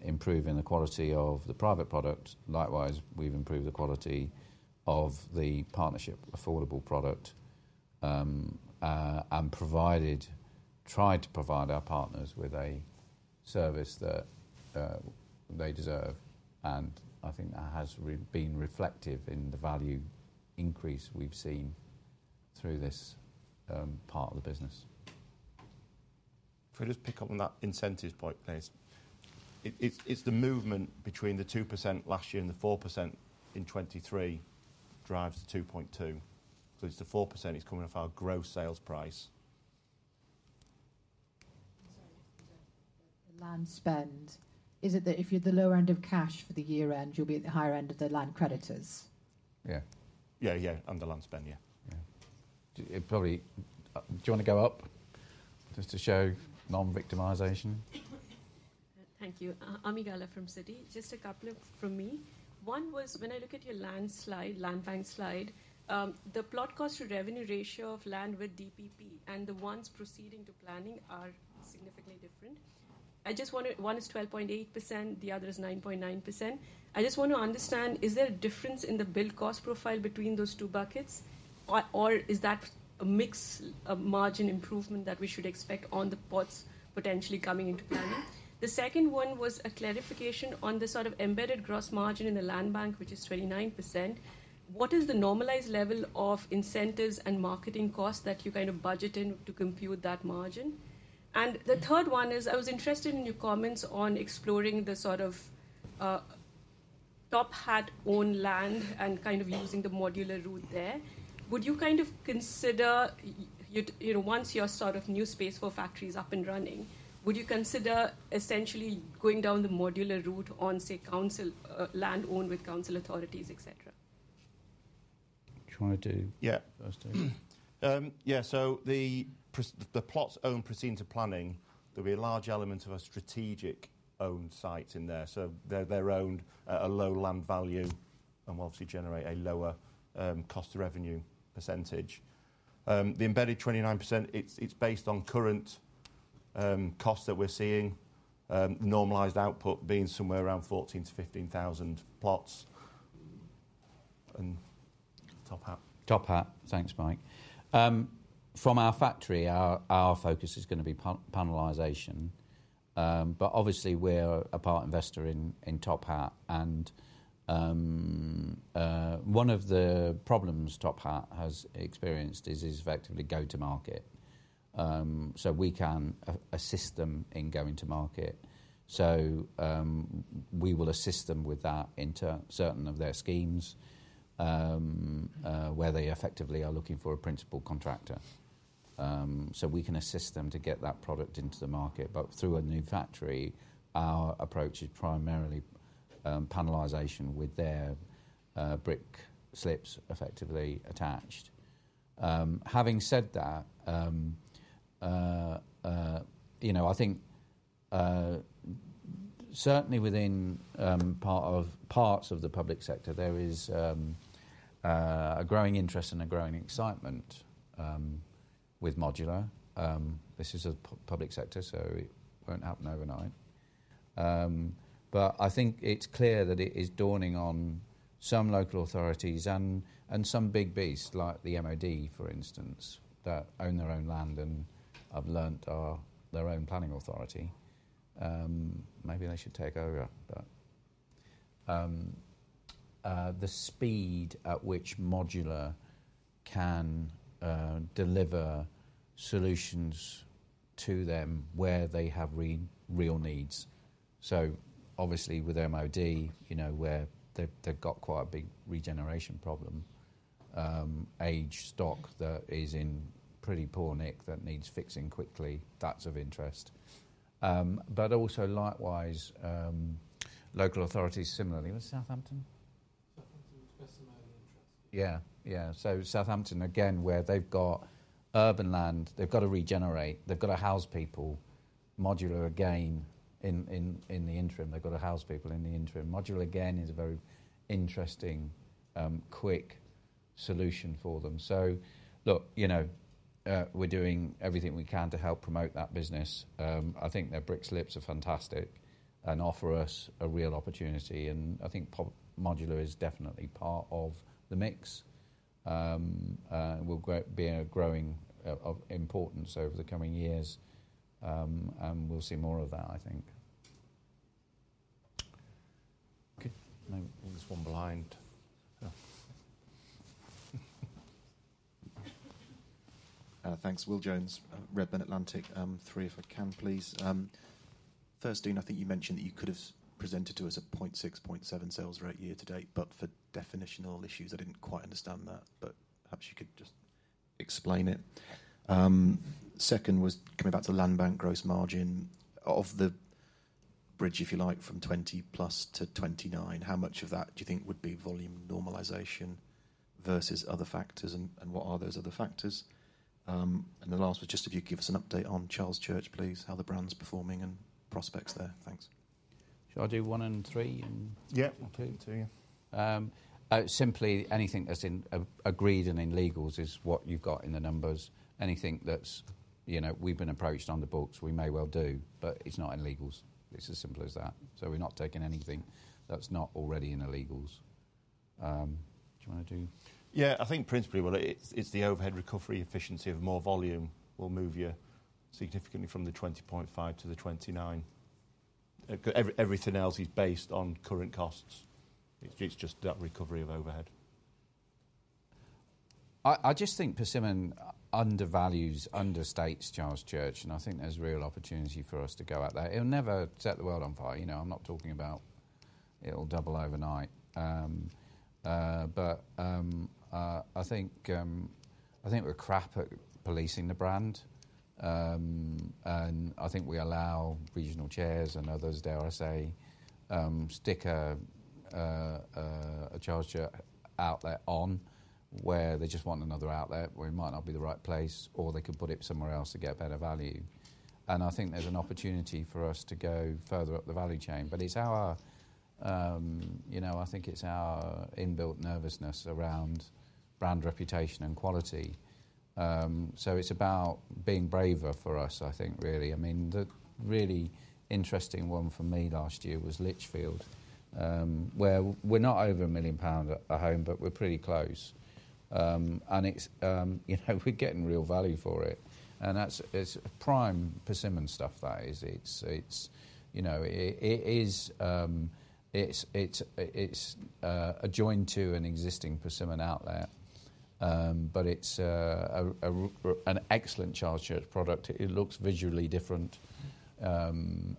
improving the quality of the private product, likewise, we've improved the quality of the partnership affordable product and tried to provide our partners with a service that they deserve. And I think that has been reflective in the value increase we've seen through this part of the business. If I just pick up on that incentives point, please. It's the movement between the 2% last year and the 4% in 2023 drives the 2.2. So it's the 4%. It's coming off our gross sales price. Sorry. The land spend, is it that if you're the lower end of cash for the year-end, you'll be at the higher end of the land creditors? Yeah. Yeah, yeah. And the land spend, yeah. Do you want to go up just to show non-victimisation? Thank you. Ami Galla from Citi, just a couple of from me. One was when I look at your land bank slide, the plot cost to revenue ratio of land with DPP and the ones proceeding to planning are significantly different. One is 12.8%, the other is 9.9%. I just want to understand, is there a difference in the build cost profile between those two buckets, or is that a mixed margin improvement that we should expect on the plots potentially coming into planning? The second one was a clarification on the sort of embedded gross margin in the land bank, which is 29%. What is the normalized level of incentives and marketing costs that you kind of budget in to compute that margin? And the third one is I was interested in your comments on exploring the sort of TopHat owned land and kind of using the modular route there. Would you kind of consider once you're sort of new Space4 factories up and running, would you consider essentially going down the modular route on, say, council-owned land with council authorities, etc.? Trying to. Yeah. First take. Yeah. So the plots owned proceeding to planning, there'll be a large element of a strategic owned site in there. So they're owned at a low land value and will obviously generate a lower cost to revenue percentage. The embedded 29%, it's based on current costs that we're seeing, normalized output being somewhere around 14,000-15,000 plots and TopHat. TopHat. Thanks, Mike. From our factory, our focus is going to be panelization. But obviously, we're a part investor in TopHat. And one of the problems TopHat has experienced is effectively go-to-market. So we can assist them in going to market. So we will assist them with that in certain of their schemes where they effectively are looking for a principal contractor. So we can assist them to get that product into the market. But through a new factory, our approach is primarily panelization with their brick slips effectively attached. Having said that, I think certainly within parts of the public sector, there is a growing interest and a growing excitement with modular. This is a public sector, so it won't happen overnight. But I think it's clear that it is dawning on some local authorities and some big beasts like the MOD, for instance, that own their own land and have learned their own planning authority. Maybe they should take over, but. The speed at which modular can deliver solutions to them where they have real needs. So obviously, with MOD, where they've got quite a big regeneration problem, aged stock that is in pretty poor nick that needs fixing quickly, that's of interest. But also likewise, local authorities similarly. Was it Southampton? Southampton was personally interested. Yeah. Yeah. So Southampton, again, where they've got urban land, they've got to regenerate. They've got to house people. Modular, again, in the interim, they've got to house people in the interim. Modular, again, is a very interesting, quick solution for them. So look, we're doing everything we can to help promote that business. I think their brick slips are fantastic and offer us a real opportunity. And I think modular is definitely part of the mix. It will be of growing importance over the coming years, and we'll see more of that, I think. Okay. There was one behind. Thanks. Will Jones, Redburn Atlantic, three if I can, please. First, Dean, I think you mentioned that you could have presented to us a 0.6, 0.7 sales rate year to date. But for definitional issues, I didn't quite understand that. But perhaps you could just explain it. Second was coming back to land bank gross margin as the bridge, if you like, from 20%-29%, how much of that do you think would be volume normalization versus other factors, and what are those other factors? And the last was just if you could give us an update on Charles Church, please, how the brand's performing and prospects there. Thanks. Shall I do 1 and 3 and 2? Yeah. Two, yeah. Simply, anything that's in agreement and in legals is what you've got in the numbers. Anything that we've been approached on the books, we may well do, but it's not in legals. It's as simple as that. So we're not taking anything that's not already in the legals. Do you want to do? Yeah. I think principally, well, it's the overhead recovery efficiency of more volume will move you significantly from the 20.5 to the 29. Everything else is based on current costs. It's just that recovery of overhead. I just think Persimmon undervalues, understates Charles Church, and I think there's real opportunity for us to go out there. It'll never set the world on fire. I'm not talking about it'll double overnight. But I think we're crap at policing the brand. And I think we allow regional chairs and others, dare I say, stick a Charles Church outlet on where they just want another outlet where it might not be the right place, or they could put it somewhere else to get better value. And I think there's an opportunity for us to go further up the value chain. But I think it's our inbuilt nervousness around brand reputation and quality. So it's about being braver for us, I think, really. I mean, the really interesting one for me last year was Lichfield, where we're not over 1 million pounds a home, but we're pretty close. We're getting real value for it. And it's prime Persimmon stuff, that is. It's adjacent to an existing Persimmon outlet. But it's an excellent Charles Church product. It looks visually different. And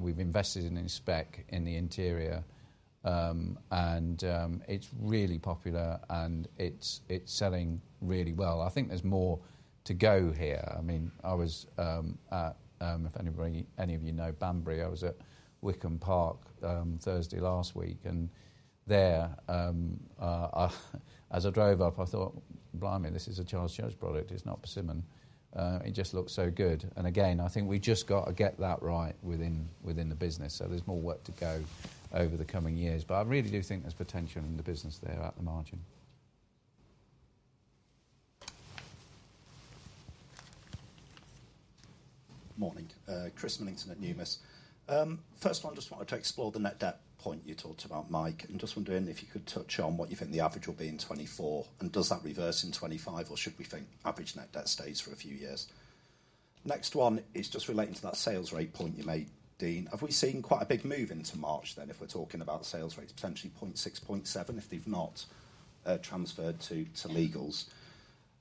we've invested in the spec in the interior. And it's really popular, and it's selling really well. I think there's more to go here. I mean, if any of you know Banbury, I was at Wykham Park Thursday last week. And there, as I drove up, I thought, "Blimey, this is a Charles Church product. It's not Persimmon. It just looks so good." And again, I think we just got to get that right within the business. So there's more work to go over the coming years. But I really do think there's potential in the business there at the margin. Morning. Chris Millington at Numis. First one, I just wanted to explore the net debt point you talked about, Mike. Just wondering if you could touch on what you think the average will be in 2024, and does that reverse in 2025, or should we think average net debt stays for a few years? Next one is just relating to that sales rate point you made, Dean. Have we seen quite a big move into March then, if we're talking about sales rates potentially 0.6, 0.7 if they've not transferred to legals?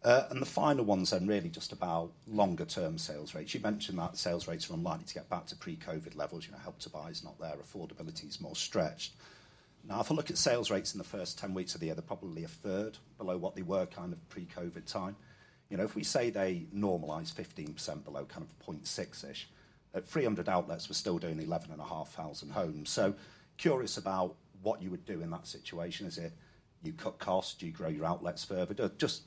And the final one's then really just about longer-term sales rates. You mentioned that sales rates are unlikely to get back to pre-COVID levels. Help to Buy is not there. Affordability is more stretched. Now, if I look at sales rates in the first 10 weeks of the year, they're probably a third below what they were kind of pre-COVID time. If we say they normalised 15% below kind of 0.6-ish, at 300 outlets, we're still doing 11,500 homes. So curious about what you would do in that situation. Is it you cut costs? Do you grow your outlets further? Just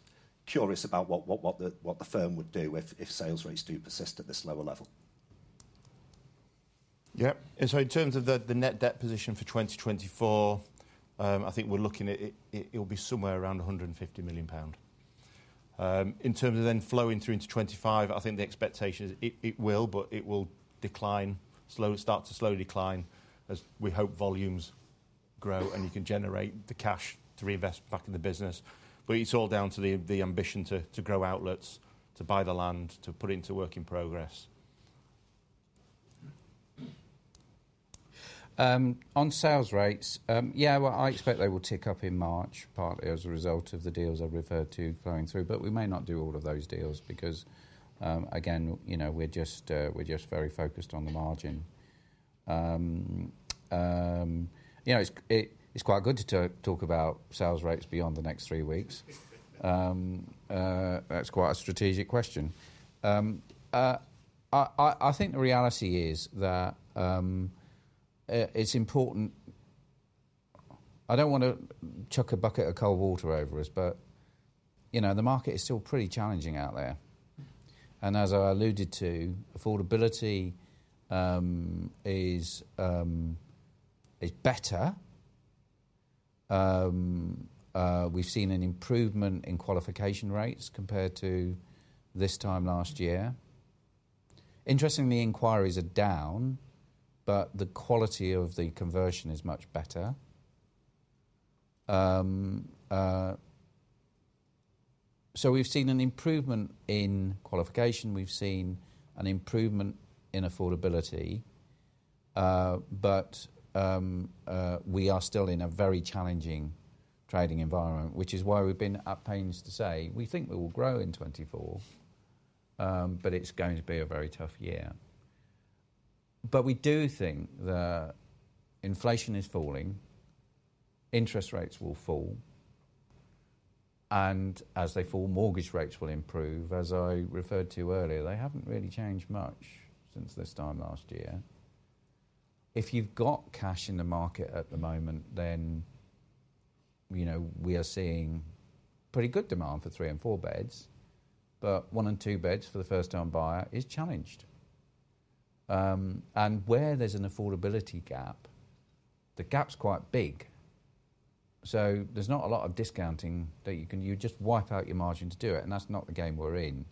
curious about what the firm would do if sales rates do persist at this lower level. Yeah. And so in terms of the net debt position for 2024, I think we're looking at it'll be somewhere around 150 million pound. In terms of then flowing through into 2025, I think the expectation is it will, but it will start to slowly decline as we hope volumes grow and you can generate the cash to reinvest back in the business. But it's all down to the ambition to grow outlets, to buy the land, to put it into work in progress. On sales rates, yeah, I expect they will tick up in March partly as a result of the deals I referred to flowing through. But we may not do all of those deals because, again, we're just very focused on the margin. It's quite good to talk about sales rates beyond the next three weeks. That's quite a strategic question. I think the reality is that it's important. I don't want to chuck a bucket of cold water over us, but the market is still pretty challenging out there. And as I alluded to, affordability is better. We've seen an improvement in qualification rates compared to this time last year. Interestingly, inquiries are down, but the quality of the conversion is much better. So we've seen an improvement in qualification. We've seen an improvement in affordability. But we are still in a very challenging trading environment, which is why we've been at pains to say we think we will grow in 2024, but it's going to be a very tough year. But we do think that inflation is falling. Interest rates will fall. And as they fall, mortgage rates will improve. As I referred to earlier, they haven't really changed much since this time last year. If you've got cash in the market at the moment, then we are seeing pretty good demand for 3 and 4 beds. But 1 and 2 beds for the first-time buyer is challenged. And where there's an affordability gap, the gap's quite big. So there's not a lot of discounting that you can you just wipe out your margin to do it. And that's not the game we're in.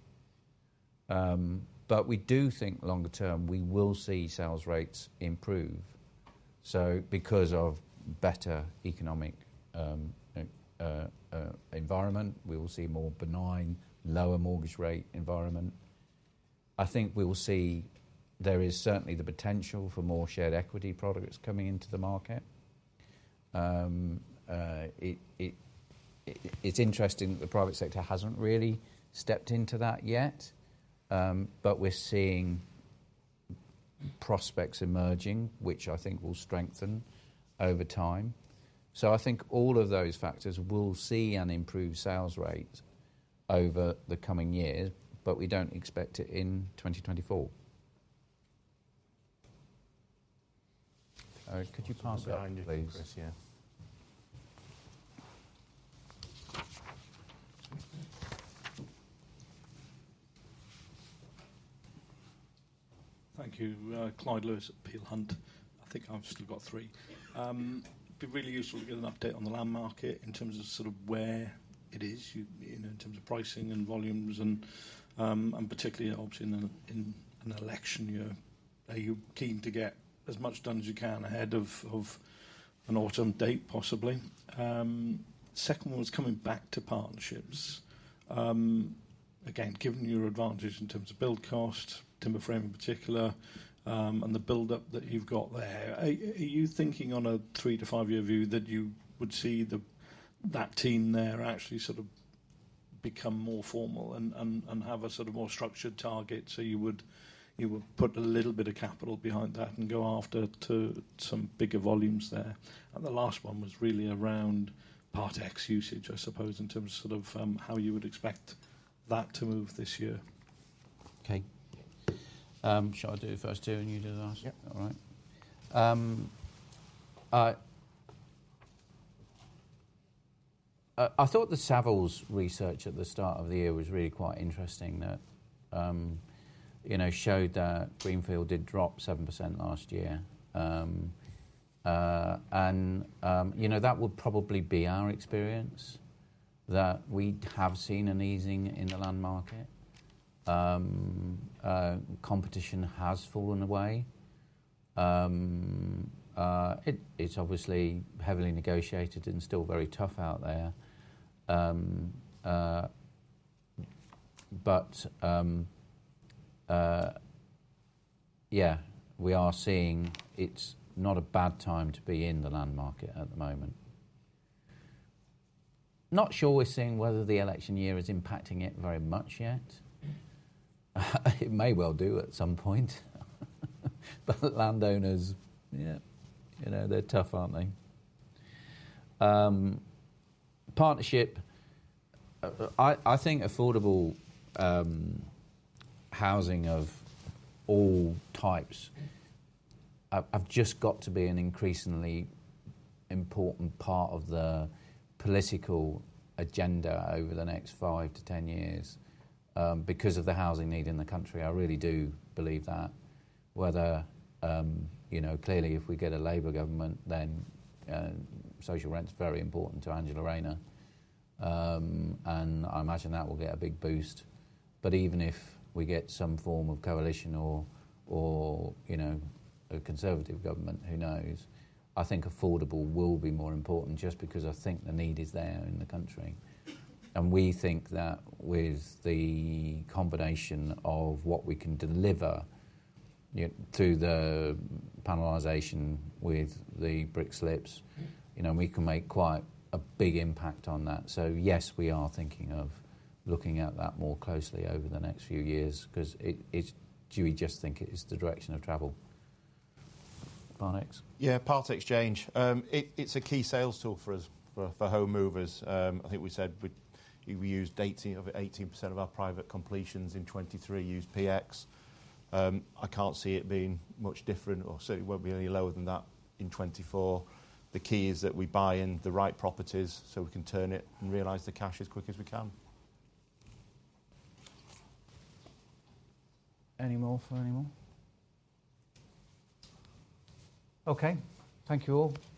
But we do think longer-term, we will see sales rates improve. So because of better economic environment, we will see a more benign, lower mortgage rate environment. I think we will see there is certainly the potential for more shared equity products coming into the market. It's interesting that the private sector hasn't really stepped into that yet. But we're seeing prospects emerging, which I think will strengthen over time. So I think all of those factors will see an improved sales rate over the coming years, but we don't expect it in 2024. Could you pass it, please? Behind you, Chris. Yeah. Thank you. Clyde Lewis, Peel Hunt. I think I've still got three. It'd be really useful to get an update on the land market in terms of sort of where it is in terms of pricing and volumes and particularly, obviously, in an election year, are you keen to get as much done as you can ahead of an autumn date, possibly? Second one was coming back to partnerships. Again, given your advantage in terms of build cost, timber frame in particular, and the buildup that you've got there, are you thinking on a three to five-year view that you would see that team there actually sort of become more formal and have a sort of more structured target so you would put a little bit of capital behind that and go after some bigger volumes there? The last one was really around part exchange usage, I suppose, in terms of sort of how you would expect that to move this year. Okay. Shall I do first two and you do the last? Yeah. All right. I thought the Savills research at the start of the year was really quite interesting that showed that greenfield did drop 7% last year. That would probably be our experience, that we have seen an easing in the land market. Competition has fallen away. It's obviously heavily negotiated and still very tough out there. Yeah, we are seeing it's not a bad time to be in the land market at the moment. Not sure we're seeing whether the election year is impacting it very much yet. It may well do at some point. Landowners, yeah, they're tough, aren't they? Partnership, I think affordable housing of all types have just got to be an increasingly important part of the political agenda over the next five to 10 years because of the housing need in the country. I really do believe that. Clearly, if we get a Labour government, then social rent's very important to Angela Rayner. I imagine that will get a big boost. Even if we get some form of coalition or a Conservative government, who knows? I think affordable will be more important just because I think the need is there in the country. And we think that with the combination of what we can deliver through the panelization with the brick slips, we can make quite a big impact on that. So yes, we are thinking of looking at that more closely over the next few years because do we just think it is the direction of travel? PX? Yeah. Part Exchange. It's a key sales tool for home movers. I think we said we used 18% of our private completions in 2023, used PX. I can't see it being much different, or certainly won't be any lower than that in 2024. The key is that we buy in the right properties so we can turn it and realize the cash as quick as we can. Any more for anyone? Okay. Thank you all.